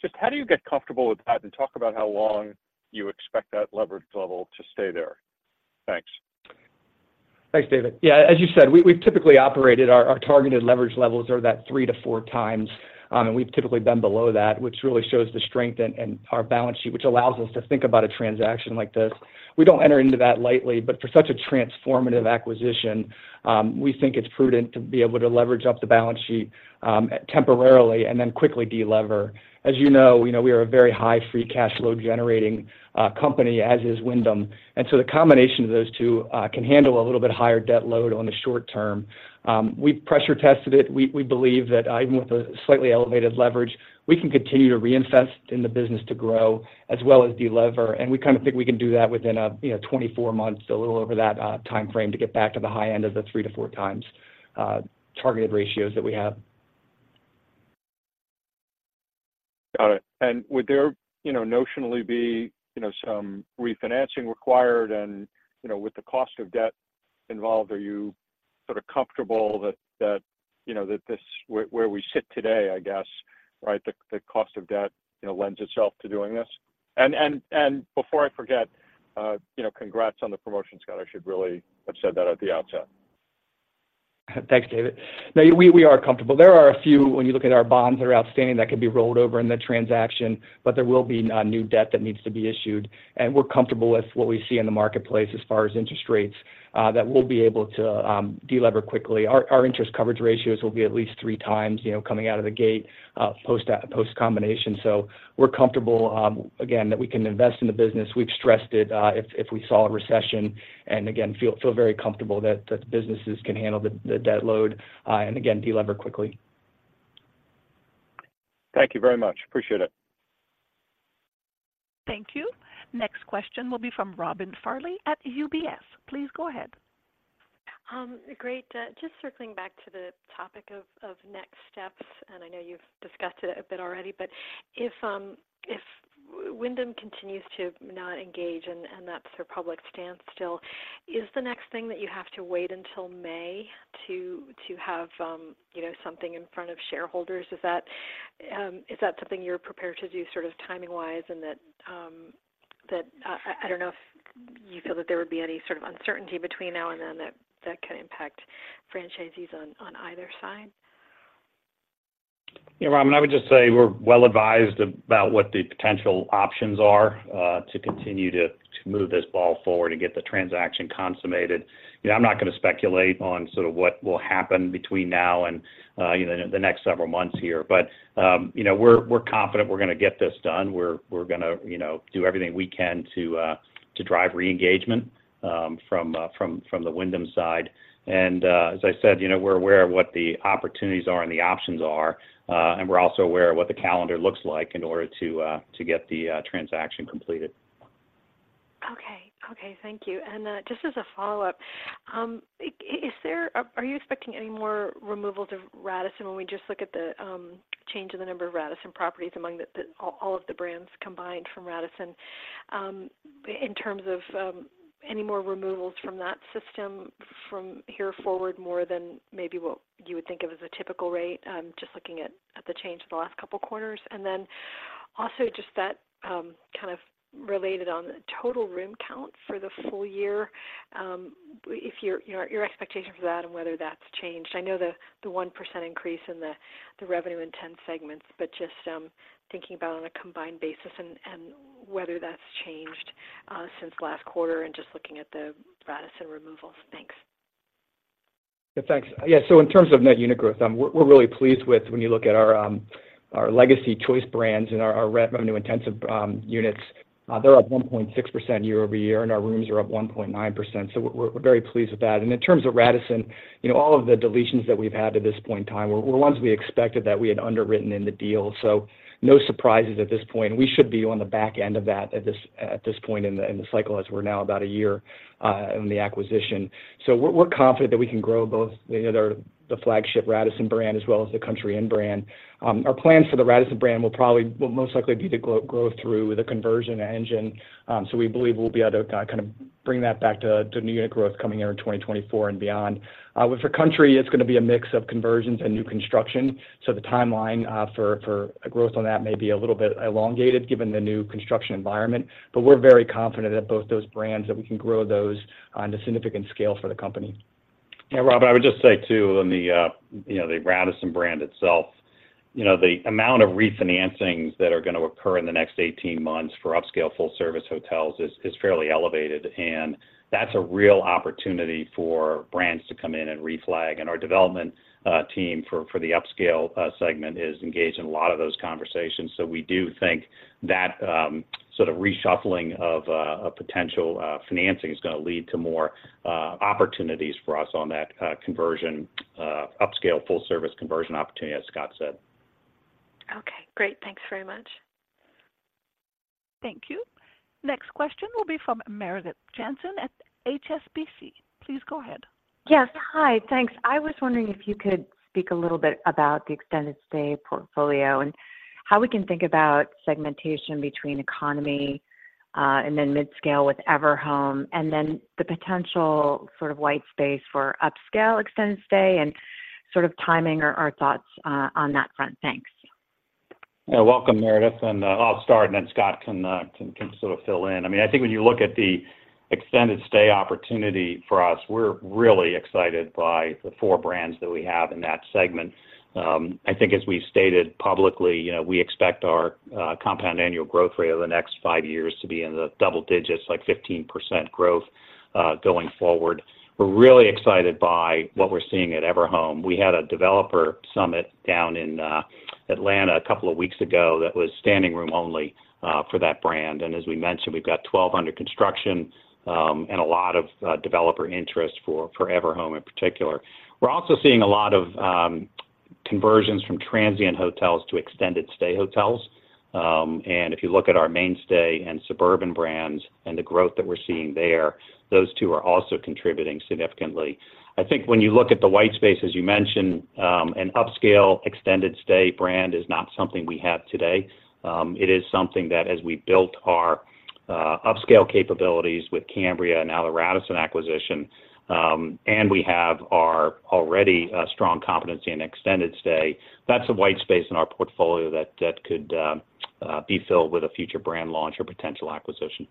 Just how do you get comfortable with that? And talk about how long you expect that leverage level to stay there. Thanks.... Thank David. Yeah, as you said, we, we've typically operated our, our targeted leverage levels are that 3 to 4 times, and we've typically been below that, which really shows the strength in, in our balance sheet, which allows us to think about a transaction like this. We don't enter into that lightly, but for such a transformative acquisition, we think it's prudent to be able to leverage up the balance sheet, temporarily and then quickly delever. As you know, you know, we are a very high free cash flow generating, company, as is Wyndham. And so the combination of those two, can handle a little bit higher debt load on the short term. We've pressure tested it. We, we believe that even with a slightly elevated leverage, we can continue to reinvest in the business to grow as well as delever. We kind of think we can do that within a, you know, 24 months, a little over that time frame to get back to the high end of the 3 to 4 times targeted ratios that we have. Got it. And would there, you know, notionally be, you know, some refinancing required? And, you know, with the cost of debt involved, are you sort of comfortable that that, you know, that this, where we sit today, I guess, right, the cost of debt, you know, lends itself to doing this? And before I forget, you know, congrats on the promotion, Scott. I should really have said that at the outset. Thanks David. No, we, we are comfortable. There are a few, when you look at our bonds that are outstanding, that can be rolled over in the transaction, but there will be new debt that needs to be issued, and we're comfortable with what we see in the marketplace as far as interest rates that we'll be able to delever quickly. Our, our interest coverage ratios will be at least three times, you know, coming out of the gate post post combination. So we're comfortable again that we can invest in the business. We've stressed it if, if we saw a recession, and again, feel, feel very comfortable that, that the businesses can handle the, the debt load and again, delever quickly. Thank you very much. Appreciate it. Thank you. Next question will be from Robin Farley at UBS. Please go ahead. Great. Just circling back to the topic of next steps, and I know you've discussed it a bit already, but if Wyndham continues to not engage, and that's their public stance still, is the next thing that you have to wait until May to have, you know, something in front of shareholders? Is that something you're prepared to do sort of timing-wise and that... I don't know if you feel that there would be any sort of uncertainty between now and then, that could impact franchisees on either side? Yeah, Robin, I would just say we're well advised about what the potential options are to continue to move this ball forward and get the transaction consummated. You know, I'm not gonna speculate on sort of what will happen between now and, you know, the next several months here. But, you know, we're confident we're gonna get this done. We're gonna, you know, do everything we can to drive re-engagement from the Wyndham side. And, as I said, you know, we're aware of what the opportunities are and the options are, and we're also aware of what the calendar looks like in order to get the transaction completed. Okay. Okay thank you. And, just as a follow-up, is there... Are you expecting any more removals of Radisson when we just look at the change in the number of Radisson properties among the all of the brands combined from Radisson, in terms of any more removals from that system from here forward, more than maybe what you would think of as a typical rate? Just looking at the change in the last couple of quarters. And then also just that, kind of related on the total room count for the full year, if your, you know, your expectation for that and whether that's changed. I know the 1% increase in the revenue-intense segments, but just thinking about on a combined basis and whether that's changed since last quarter and just looking at the Radisson removals. Thanks. Yeah thanks. Yeah, so in terms of net unit growth, we're really pleased with when you look at our legacy Choice brands and our revenue-intensive units. They're up 1.6% year-over-year, and our rooms are up 1.9%. So we're very pleased with that. And in terms of Radisson, you know, all of the deletions that we've had to this point in time were ones we expected that we had underwritten in the deal. So no surprises at this point. We should be on the back end of that at this point in the cycle, as we're now about a year in the acquisition. So we're confident that we can grow both the flagship Radisson brand as well as the Country Inn brand. Our plans for the Radisson brand will probably will most likely be to grow through the conversion engine, so we believe we'll be able to kind of bring that back to net unit growth coming here in 2024 and beyond. But for Country, it's gonna be a mix of conversions and new construction, so the timeline for a growth on that may be a little bit elongated given the new construction environment. But we're very confident that both those brands, that we can grow those on a significant scale for the company. Yeah, Robin, I would just say, too, on the, you know, the Radisson brand itself, you know, the amount of refinancings that are gonna occur in the next 18 months for upscale full-service hotels is fairly elevated, and that's a real opportunity for brands to come in and reflag. And our development team for the upscale segment is engaged in a lot of those conversations. So we do think that sort of reshuffling of a potential financing is gonna lead to more opportunities for us on that conversion upscale full-service conversion opportunity, as Scott said. Okay, great. Thanks very much. Thank you. Next question will be from Meredith Jensen at HSBC. Please go ahead. Yes. Hi, thanks. I was wondering if you could speak a little bit about the extended stay portfolio and how we can think about segmentation between economy, and then mid-scale with Everhome, and then the potential sort of white space for upscale extended stay and sort of timing or, or thoughts, on that front? Thanks. ... Welcome Meredith and I'll start, and then Scott can, can sort of fill in. I mean, I think when you look at the extended stay opportunity for us, we're really excited by the four brands that we have in that segment. I think as we've stated publicly, you know, we expect our compound annual growth rate over the next five years to be in the double digits, like 15% growth, going forward. We're really excited by what we're seeing at Everhome. We had a developer summit down in Atlanta a couple of weeks ago, that was standing room only, for that brand. And as we mentioned, we've got 12 under construction, and a lot of developer interest for Everhome in particular. We're also seeing a lot of conversions from transient hotels to extended stay hotels. And if you look at our MainStay and Suburban brands and the growth that we're seeing there, those two are also contributing significantly. I think when you look at the white space, as you mentioned, an upscale extended stay brand is not something we have today. It is something that, as we built our upscale capabilities with Cambria and now the Radisson acquisition, and we have our already strong competency in extended stay, that's a white space in our portfolio that could be filled with a future brand launch or potential acquisition.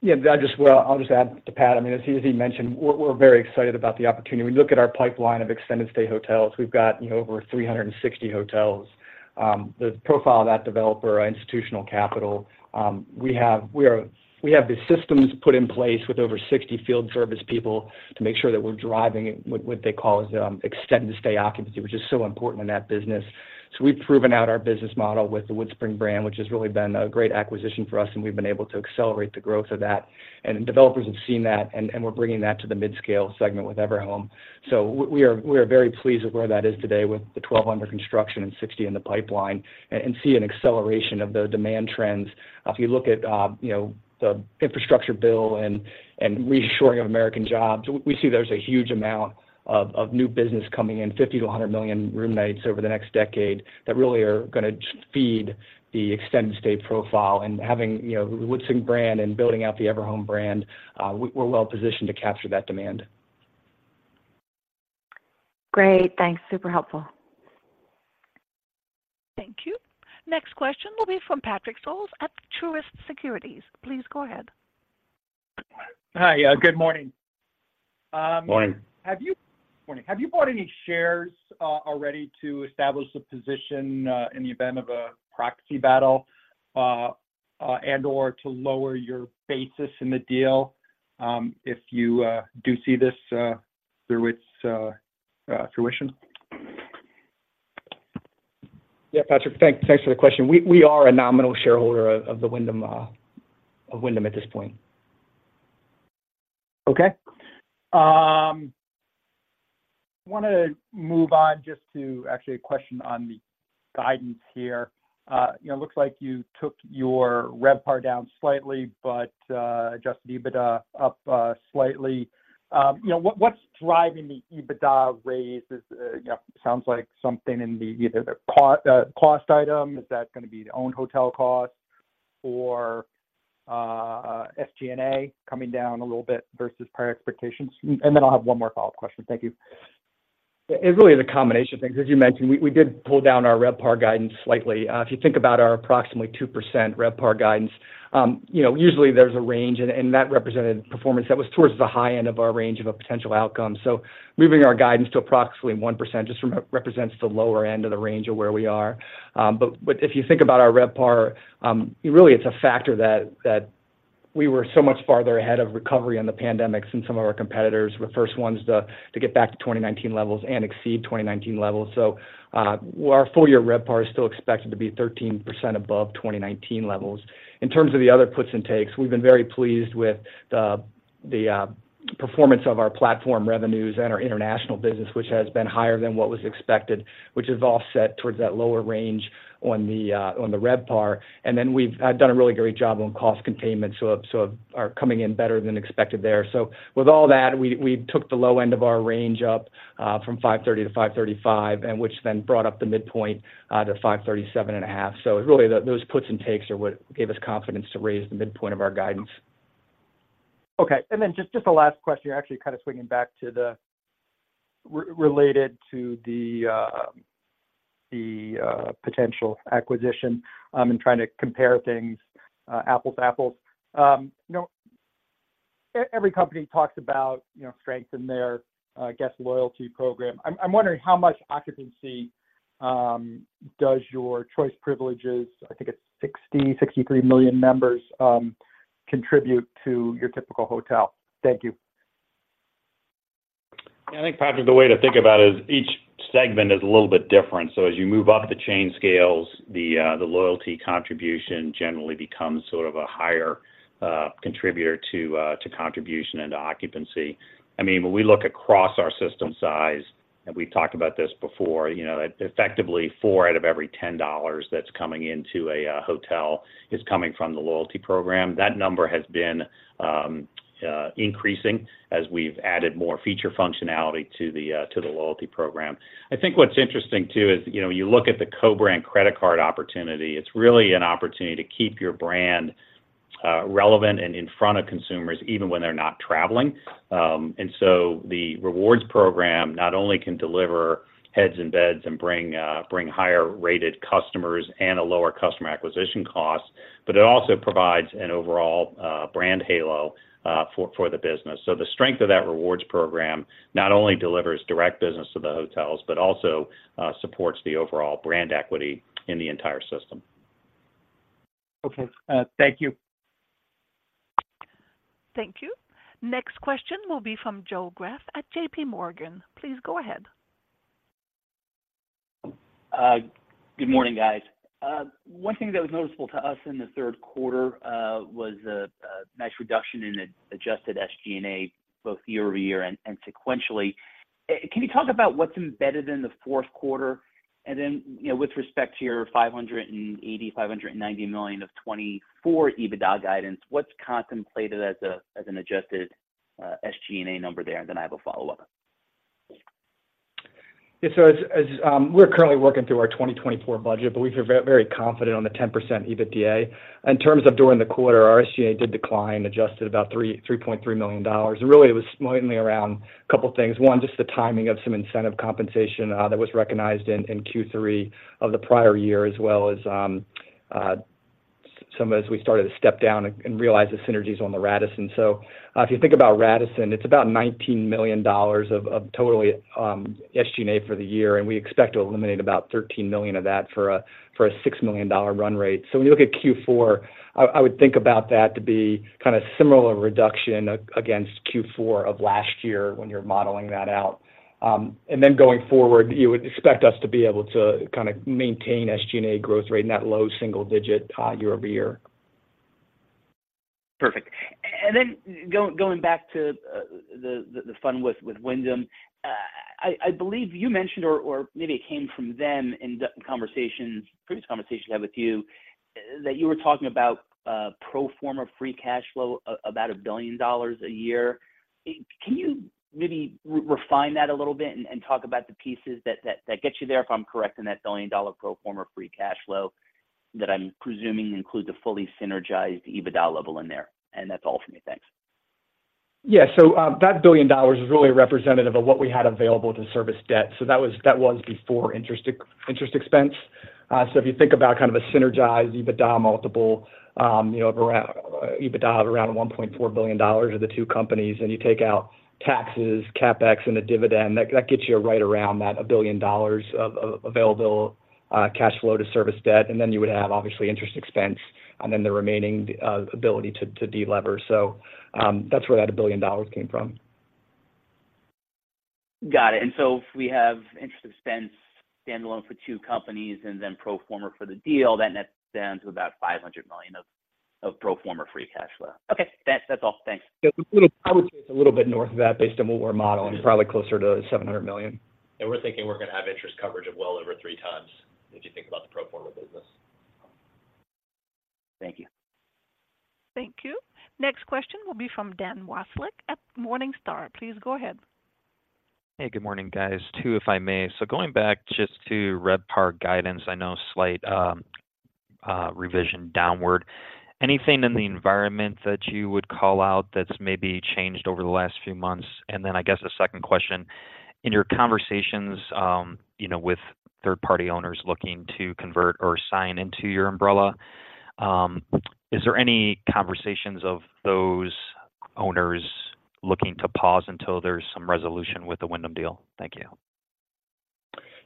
Yeah, I just. Well, I'll just add to Pat. I mean, as he, as he mentioned, we're, we're very excited about the opportunity. We look at our pipeline of extended stay hotels, we've got, you know, over 360 hotels. The profile of that developer, institutional capital, we have the systems put in place with over 60 field service people to make sure that we're driving what they call extended stay occupancy, which is so important in that business. So we've proven out our business model with the WoodSpring brand, which has really been a great acquisition for us, and we've been able to accelerate the growth of that. And developers have seen that, and, and we're bringing that to the mid-scale segment with Everhome. So we are, we are very pleased with where that is today, with the 12 under construction and 60 in the pipeline, and see an acceleration of the demand trends. If you look at, you know, the infrastructure bill and reshoring of American jobs, we, we see there's a huge amount of new business coming in, 50 to 100 million room nights over the next decade, that really are gonna just feed the extended stay profile. And having, you know, WoodSpring brand and building out the Everhome brand, we're well positioned to capture that demand. Great, thanks. Super helpful. Thank you. Next question will be from Patrick Scholes at Truist Securities. Please go ahead. Hi, yeah, good morning. Morning. Morning. Have you bought any shares already to establish a position in the event of a proxy battle and/or to lower your basis in the deal, if you do see this through its fruition? Yeah Patrick thanks, thanks for the question. We are a nominal shareholder of Wyndham at this point. Okay. I want to move on just to actually a question on the guidance here. You know, it looks like you took your RevPAR down slightly, but adjusted EBITDA up slightly. You know, what, what's driving the EBITDA raise? Is, you know, sounds like something in the either the cost cost item. Is that going to be the owned hotel cost or SG&A coming down a little bit versus prior expectations? And then I'll have one more follow-up question. Thank you. It really is a combination of things. As you mentioned, we did pull down our RevPAR guidance slightly. If you think about our approximately 2% RevPAR guidance, you know, usually there's a range, and that represented performance that was towards the high end of our range of a potential outcome. So moving our guidance to approximately 1%, just represents the lower end of the range of where we are. But if you think about our RevPAR, really, it's a factor that we were so much farther ahead of recovery on the pandemic than some of our competitors. We're first ones to get back to 2019 levels and exceed 2019 levels. So our full year RevPAR is still expected to be 13% above 2019 levels. In terms of the other puts and takes, we've been very pleased with the performance of our platform revenues and our international business, which has been higher than what was expected, which is offset towards that lower range on the RevPAR. And then we've done a really great job on cost containment, so are coming in better than expected there. So with all that, we took the low end of our range up from $5.30 to 5.35, and which then brought up the midpoint to $5.375. So really, those puts and takes are what gave us confidence to raise the midpoint of our guidance. Okay. And then just the last question, actually kind of swinging back to the related to the potential acquisition, and trying to compare things apples to apples. You know, every company talks about, you know, strength in their guest loyalty program. I'm wondering how much occupancy does your Choice Privileges, I think it's 63 million members, contribute to your typical hotel? Thank you. Yeah, I think Patrick, the way to think about it is each segment is a little bit different. So as you move up the chain scales, the, the loyalty contribution generally becomes sort of a higher, contributor to, to contribution and to occupancy. I mean, when we look across our system size, and we've talked about this before, you know, effectively 4 out of every 10 dollars that's coming into a, hotel is coming from the loyalty program. That number has been, increasing as we've added more feature functionality to the, to the loyalty program. I think what's interesting too is, you know, you look at the co-brand credit card opportunity, it's really an opportunity to keep your brand, relevant and in front of consumers, even when they're not traveling. And so the rewards program not only can deliver heads and beds and bring higher-rated customers and a lower customer acquisition cost, but it also provides an overall brand halo for the business. So the strength of that rewards program not only delivers direct business to the hotels, but also supports the overall brand equity in the entire system. Okay. Thank you. Thank you. Next question will be from Joe Greff at J.P. Morgan. Please go ahead. Good morning guys. One thing that was noticeable to us in the third quarter was a nice reduction in adjusted SG&A, both year-over-year and sequentially. Can you talk about what's embedded in the fourth quarter? And then, you know, with respect to your $580 to 590 million of 2024 EBITDA guidance, what's contemplated as an adjusted SG&A number there? And then I have a follow-up. Yeah, so we're currently working through our 2024 budget, but we feel very, very confident on the 10% EBITDA. In terms of during the quarter, our SG&A did decline, adjusted about $3.3 million. Really, it was mainly around a couple of things. One, just the timing of some incentive compensation that was recognized in Q3 of the prior year, as well as we started to step down and realize the synergies on the Radisson. So, if you think about Radisson, it's about $19 million of totally SG&A for the year, and we expect to eliminate about $13 million of that for a $6 million run rate. So when you look at Q4, I would think about that to be kind of a similar reduction against Q4 of last year when you're modeling that out. And then going forward, you would expect us to be able to kind of maintain SG&A growth rate in that low single digit, year-over-year. Perfect. Then going back to the fun with Wyndham, I believe you mentioned, or maybe it came from them in the conversations, previous conversations I had with you, that you were talking about pro forma free cash flow, about $1 billion a year. Can you maybe refine that a little bit and talk about the pieces that gets you there, if I'm correct, in that billion-dollar pro forma free cash flow, that I'm presuming includes a fully synergized EBITDA level in there? And that's all for me. Thanks. Yeah, so that $1 billion is really representative of what we had available to service debt. So that was, that was before interest expense. So if you think about kind of a synergized EBITDA multiple, you know, around EBITDA of around $1.4 billion of the two companies, and you take out taxes, CapEx, and a dividend, that gets you right around that $1 billion of available cash flow to service debt, and then you would have, obviously, interest expense, and then the remaining ability to delever. So that's where that $1 billion came from. Got it. And so we have interest expense standalone for two companies, and then pro forma for the deal, that nets down to about $500 million of pro forma free cash flow. Okay, that's all. Thanks. Yeah, I would say it's a little bit north of that based on what we're modeling, probably closer to $700 million. We're thinking we're going to have interest coverage of well over 3x, if you think about the pro forma business. Thank you. Thank you. Next question will be from Dan Wasiolek at Morningstar. Please go ahead. Hey, good morning, guys. 2, if I may. So going back just to RevPAR guidance, I know slight revision downward. Anything in the environment that you would call out that's maybe changed over the last few months? And then I guess a second question: in your conversations, you know, with third-party owners looking to convert or sign into your umbrella, is there any conversations of those owners looking to pause until there's some resolution with the Wyndham deal? Thank you.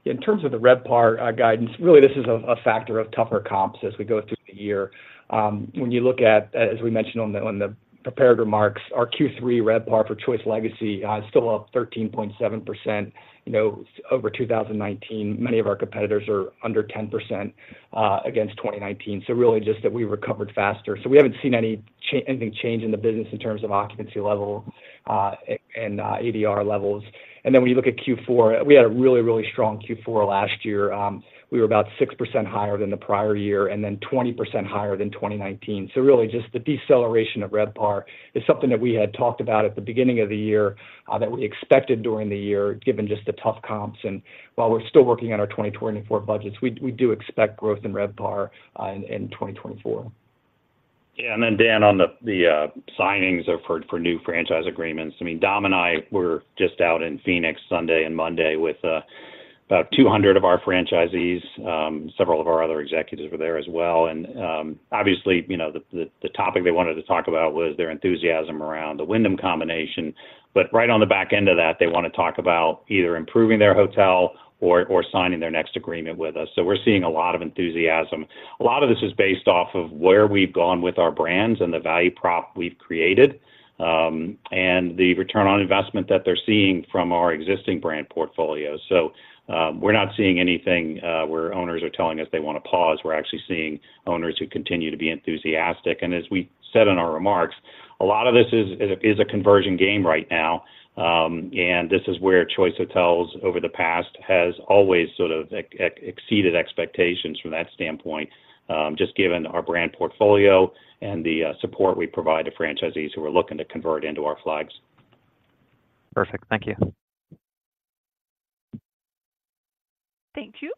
In terms of the RevPAR guidance, really, this is a factor of tougher comps as we go through the year. When you look at, as we mentioned on the prepared remarks, our Q3 RevPAR for Choice Legacy is still up 13.7%, you know, over 2019. Many of our competitors are under 10%, against 2019. So really just that we recovered faster. So we haven't seen any change in the business in terms of occupancy level and ADR levels. And then when you look at Q4, we had a really, really strong Q4 last year. We were about 6% higher than the prior year, and then 20% higher than 2019. So really, just the deceleration of RevPAR is something that we had talked about at the beginning of the year that we expected during the year, given just the tough comps. And while we're still working on our 2024 budgets, we do expect growth in RevPAR in 2024. Yeah and then Dan, on the signings of new franchise agreements, I mean, Dom and I were just out in Phoenix Sunday and Monday with about 200 of our franchisees, several of our other executives were there as well. And obviously, you know, the topic they wanted to talk about was their enthusiasm around the Wyndham combination. But right on the back end of that, they want to talk about either improving their hotel or signing their next agreement with us. So we're seeing a lot of enthusiasm. A lot of this is based off of where we've gone with our brands and the value prop we've created, and the return on investment that they're seeing from our existing brand portfolio. So we're not seeing anything where owners are telling us they want to pause. We're actually seeing owners who continue to be enthusiastic. As we said in our remarks, a lot of this is a conversion game right now, and this is where Choice Hotels over the past has always sort of exceeded expectations from that standpoint, just given our brand portfolio and the support we provide to franchisees who are looking to convert into our flags. Perfect. Thank you. ... Thank you.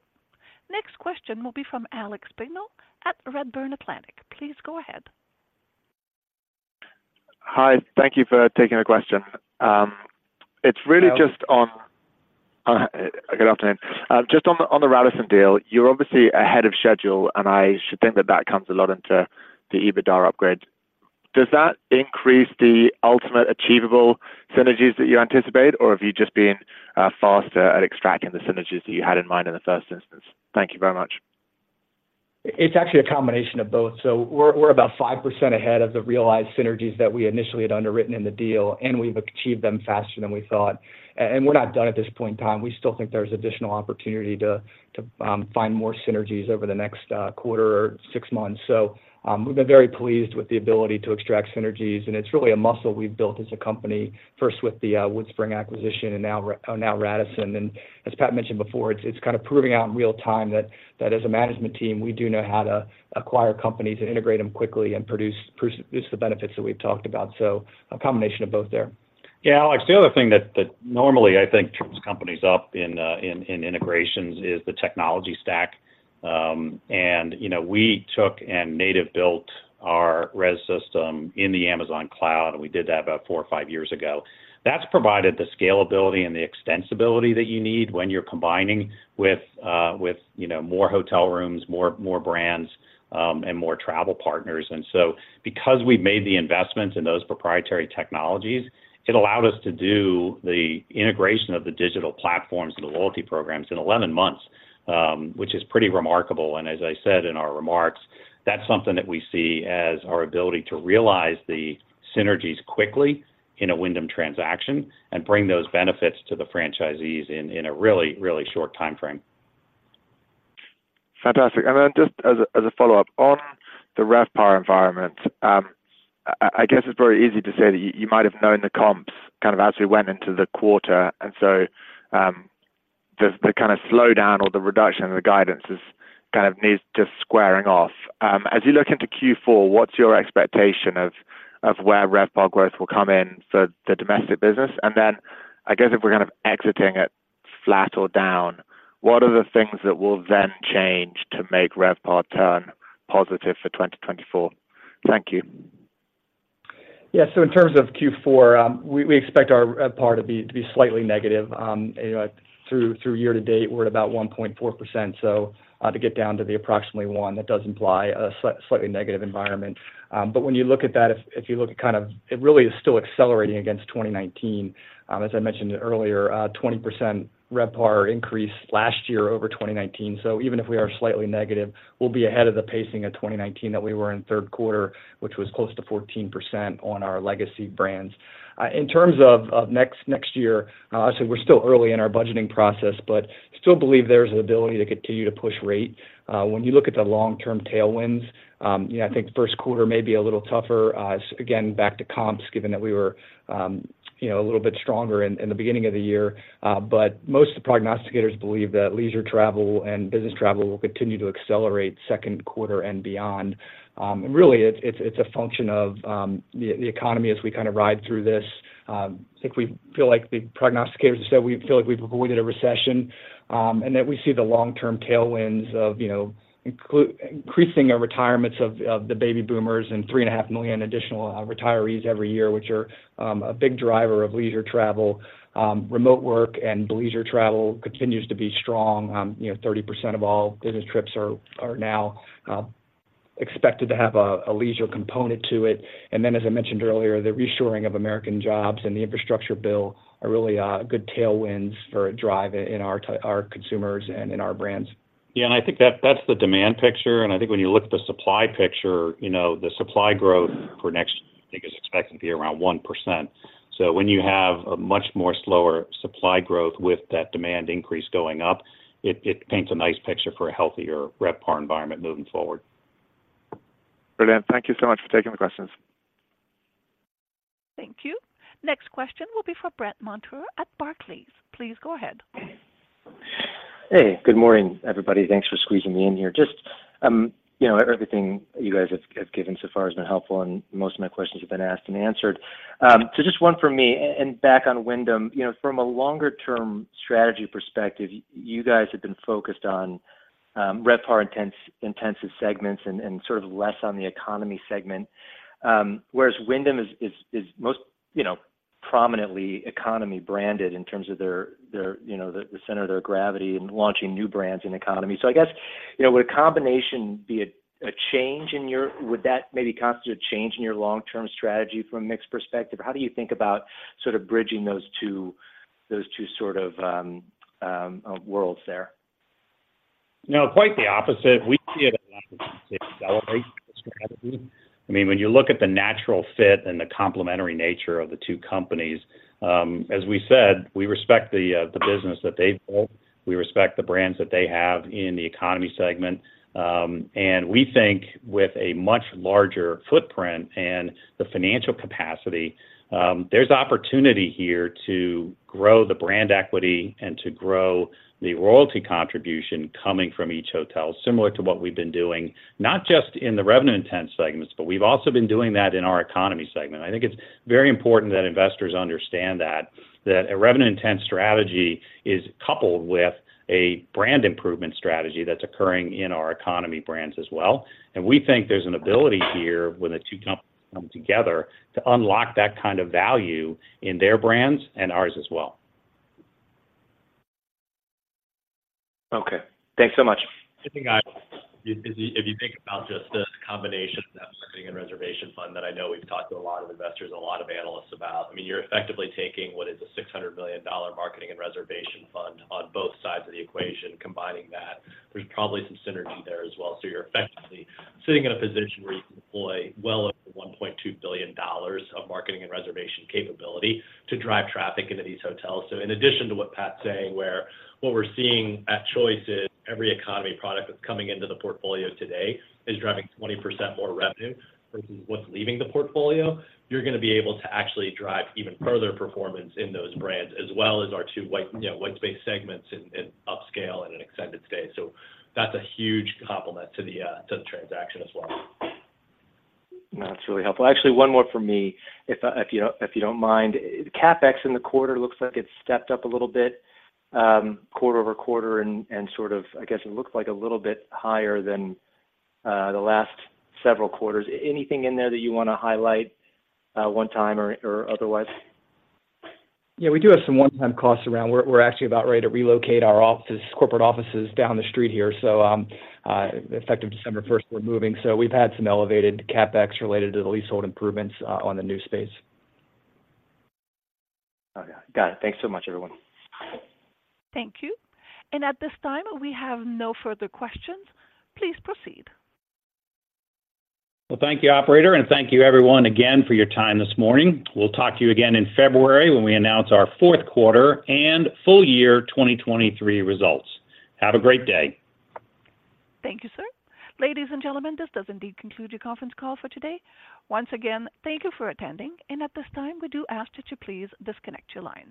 Next question will be from Alex Brignall at Redburn Atlantic. Please go ahead. Hi, thank you for taking the question. It's really just on- Hello. Good afternoon. Just on the, on the Radisson deal, you're obviously ahead of schedule, and I should think that that comes a lot into the EBITDA upgrade. Does that increase the ultimate achievable synergies that you anticipate, or have you just been faster at extracting the synergies that you had in mind in the first instance? Thank you very much. It's actually a combination of both. So we're about 5% ahead of the realized synergies that we initially had underwritten in the deal, and we've achieved them faster than we thought. And we're not done at this point in time. We still think there's additional opportunity to find more synergies over the next quarter or six months. So we've been very pleased with the ability to extract synergies, and it's really a muscle we've built as a company, first with the WoodSpring acquisition and now Radisson. And as Pat mentioned before, it's kind of proving out in real time that as a management team, we do know how to acquire companies and integrate them quickly and produce the benefits that we've talked about. So a combination of both there. Yeah Alex, the other thing that normally I think trips companies up in integrations is the technology stack. And, you know, we took and natively built our res system in the Amazon cloud, and we did that about 4 or 5 years ago. That's provided the scalability and the extensibility that you need when you're combining with, with, you know, more hotel rooms, more brands, and more travel partners. And so because we've made the investments in those proprietary technologies, it allowed us to do the integration of the digital platforms and the loyalty programs in 11 months, which is pretty remarkable. And as I said in our remarks, that's something that we see as our ability to realize the synergies quickly in a Wyndham transaction and bring those benefits to the franchisees in a really, really short time frame. Fantastic. And then just as a follow-up, on the RevPAR environment, I guess it's very easy to say that you might have known the comps kind of as we went into the quarter, and so, just the kind of slowdown or the reduction in the guidance is kind of needs just squaring off. As you look into Q4, what's your expectation of where RevPAR growth will come in for the domestic business? And then I guess if we're kind of exiting it flat or down, what are the things that will then change to make RevPAR turn positive for 2024? Thank you. Yeah so in terms of Q4, we expect our RevPAR to be slightly negative. Through year to date, we're at about 1.4%, so to get down to the approximately 1, that does imply a slightly negative environment. But when you look at that, if you look at kind of it really is still accelerating against 2019. As I mentioned earlier, a 20% RevPAR increase last year over 2019. So even if we are slightly negative, we'll be ahead of the pacing of 2019 that we were in third quarter, which was close to 14% on our legacy brands. In terms of next year, so we're still early in our budgeting process, but still believe there's an ability to continue to push rate. When you look at the long-term tailwinds, you know, I think the Q1 may be a little tougher. Again, back to comps, given that we were, you know, a little bit stronger in the beginning of the year, but most of the prognosticators believe that leisure travel and business travel will continue to accelerate Q2 and beyond. And really, it's a function of the economy as we kind of ride through this. I think we feel like the prognosticators have said, we feel like we've avoided a recession, and that we see the long-term tailwinds of, you know, increasing our retirements of the baby boomers and 3.5 million additional retirees every year, which are a big driver of leisure travel. Remote work and leisure travel continues to be strong. You know, 30% of all business trips are now expected to have a leisure component to it. And then, as I mentioned earlier, the reshoring of American jobs and the infrastructure bill are really good tailwinds for a drive in our consumers and in our brands. Yeah and I think that's, that's the demand picture. And I think when you look at the supply picture, you know, the supply growth for next, I think, is expected to be around 1%. So when you have a much more slower supply growth with that demand increase going up, it, it paints a nice picture for a healthier RevPAR environment moving forward. Brilliant. Thank you so much for taking the questions. Thank you. Next question will be for Brandt Montour at Barclays. Please go ahead. Hey, good morning everybody. Thanks for squeezing me in here. Just, you know, everything you guys have given so far has been helpful and most of my questions have been asked and answered. So just one for me, and back on Wyndham, you know, from a longer-term strategy perspective, you guys have been focused on RevPAR intensive segments and sort of less on the economy segment. Whereas Wyndham is most, you know, prominently economy branded in terms of their, you know, the center of their gravity and launching new brands in economy. So I guess, you know, would a combination be a change in your, would that maybe constitute a change in your long-term strategy from a mix perspective? How do you think about sort of bridging those two sort of worlds there? No, quite the opposite. We see it as accelerate the strategy. I mean, when you look at the natural fit and the complementary nature of the two companies, as we said, we respect the, the business that they've built. We respect the brands that they have in the economy segment. We think with a much larger footprint and the financial capacity, there's opportunity here to grow the brand equity and to grow the royalty contribution coming from each hotel, similar to what we've been doing, not just in the revenue intense segments, but we've also been doing that in our economy segment. I think it's very important that investors understand that, that a revenue intense strategy is coupled with a brand improvement strategy that's occurring in our economy brands as well. We think there's an ability here, when the 2 companies come together to unlock that kind of value in their brands and ours as well.... Okay, thanks so much. I think, if you think about just the combination of that marketing and reservation fund, that I know we've talked to a lot of investors and a lot of analysts about, I mean, you're effectively taking what is a $600 million marketing and reservation fund on both sides of the equation, combining that. There's probably some synergy there as well. So you're effectively sitting in a position where you can deploy well over $1.2 billion of marketing and reservation capability to drive traffic into these hotels. So in addition to what Pat's saying, where what we're seeing at Choice is every economy product that's coming into the portfolio today is driving 20% more revenue versus what's leaving the portfolio, you're going to be able to actually drive even further performance in those brands, as well as our 2 white, you know, wide space segments in, in upscale and in extended stay. So that's a huge complement to the transaction as well. That's really helpful. Actually, 1 more from me, if you don't mind. CapEx in the quarter looks like it stepped up a little bit, quarter-over-quarter, and sort of, I guess, it looks like a little bit higher than the last several quarters. Anything in there that you want to highlight, one time or otherwise? Yeah, we do have some one-time costs around. We're actually about ready to relocate our offices, corporate offices down the street here. So, effective December first, we're moving. So we've had some elevated CapEx related to the leasehold improvements on the new space. Okay. Got it. Thanks so much, everyone. Thank you. At this time, we have no further questions. Please proceed. Well thank you operator and thank you everyone again for your time this morning. We'll talk to you again in February when we announce our Q4 and full year 2023 results. Have a great day. Thank you, sir. Ladies and gentlemen, this does indeed conclude your conference call for today. Once again, thank you for attending, and at this time, we do ask you to please disconnect your lines.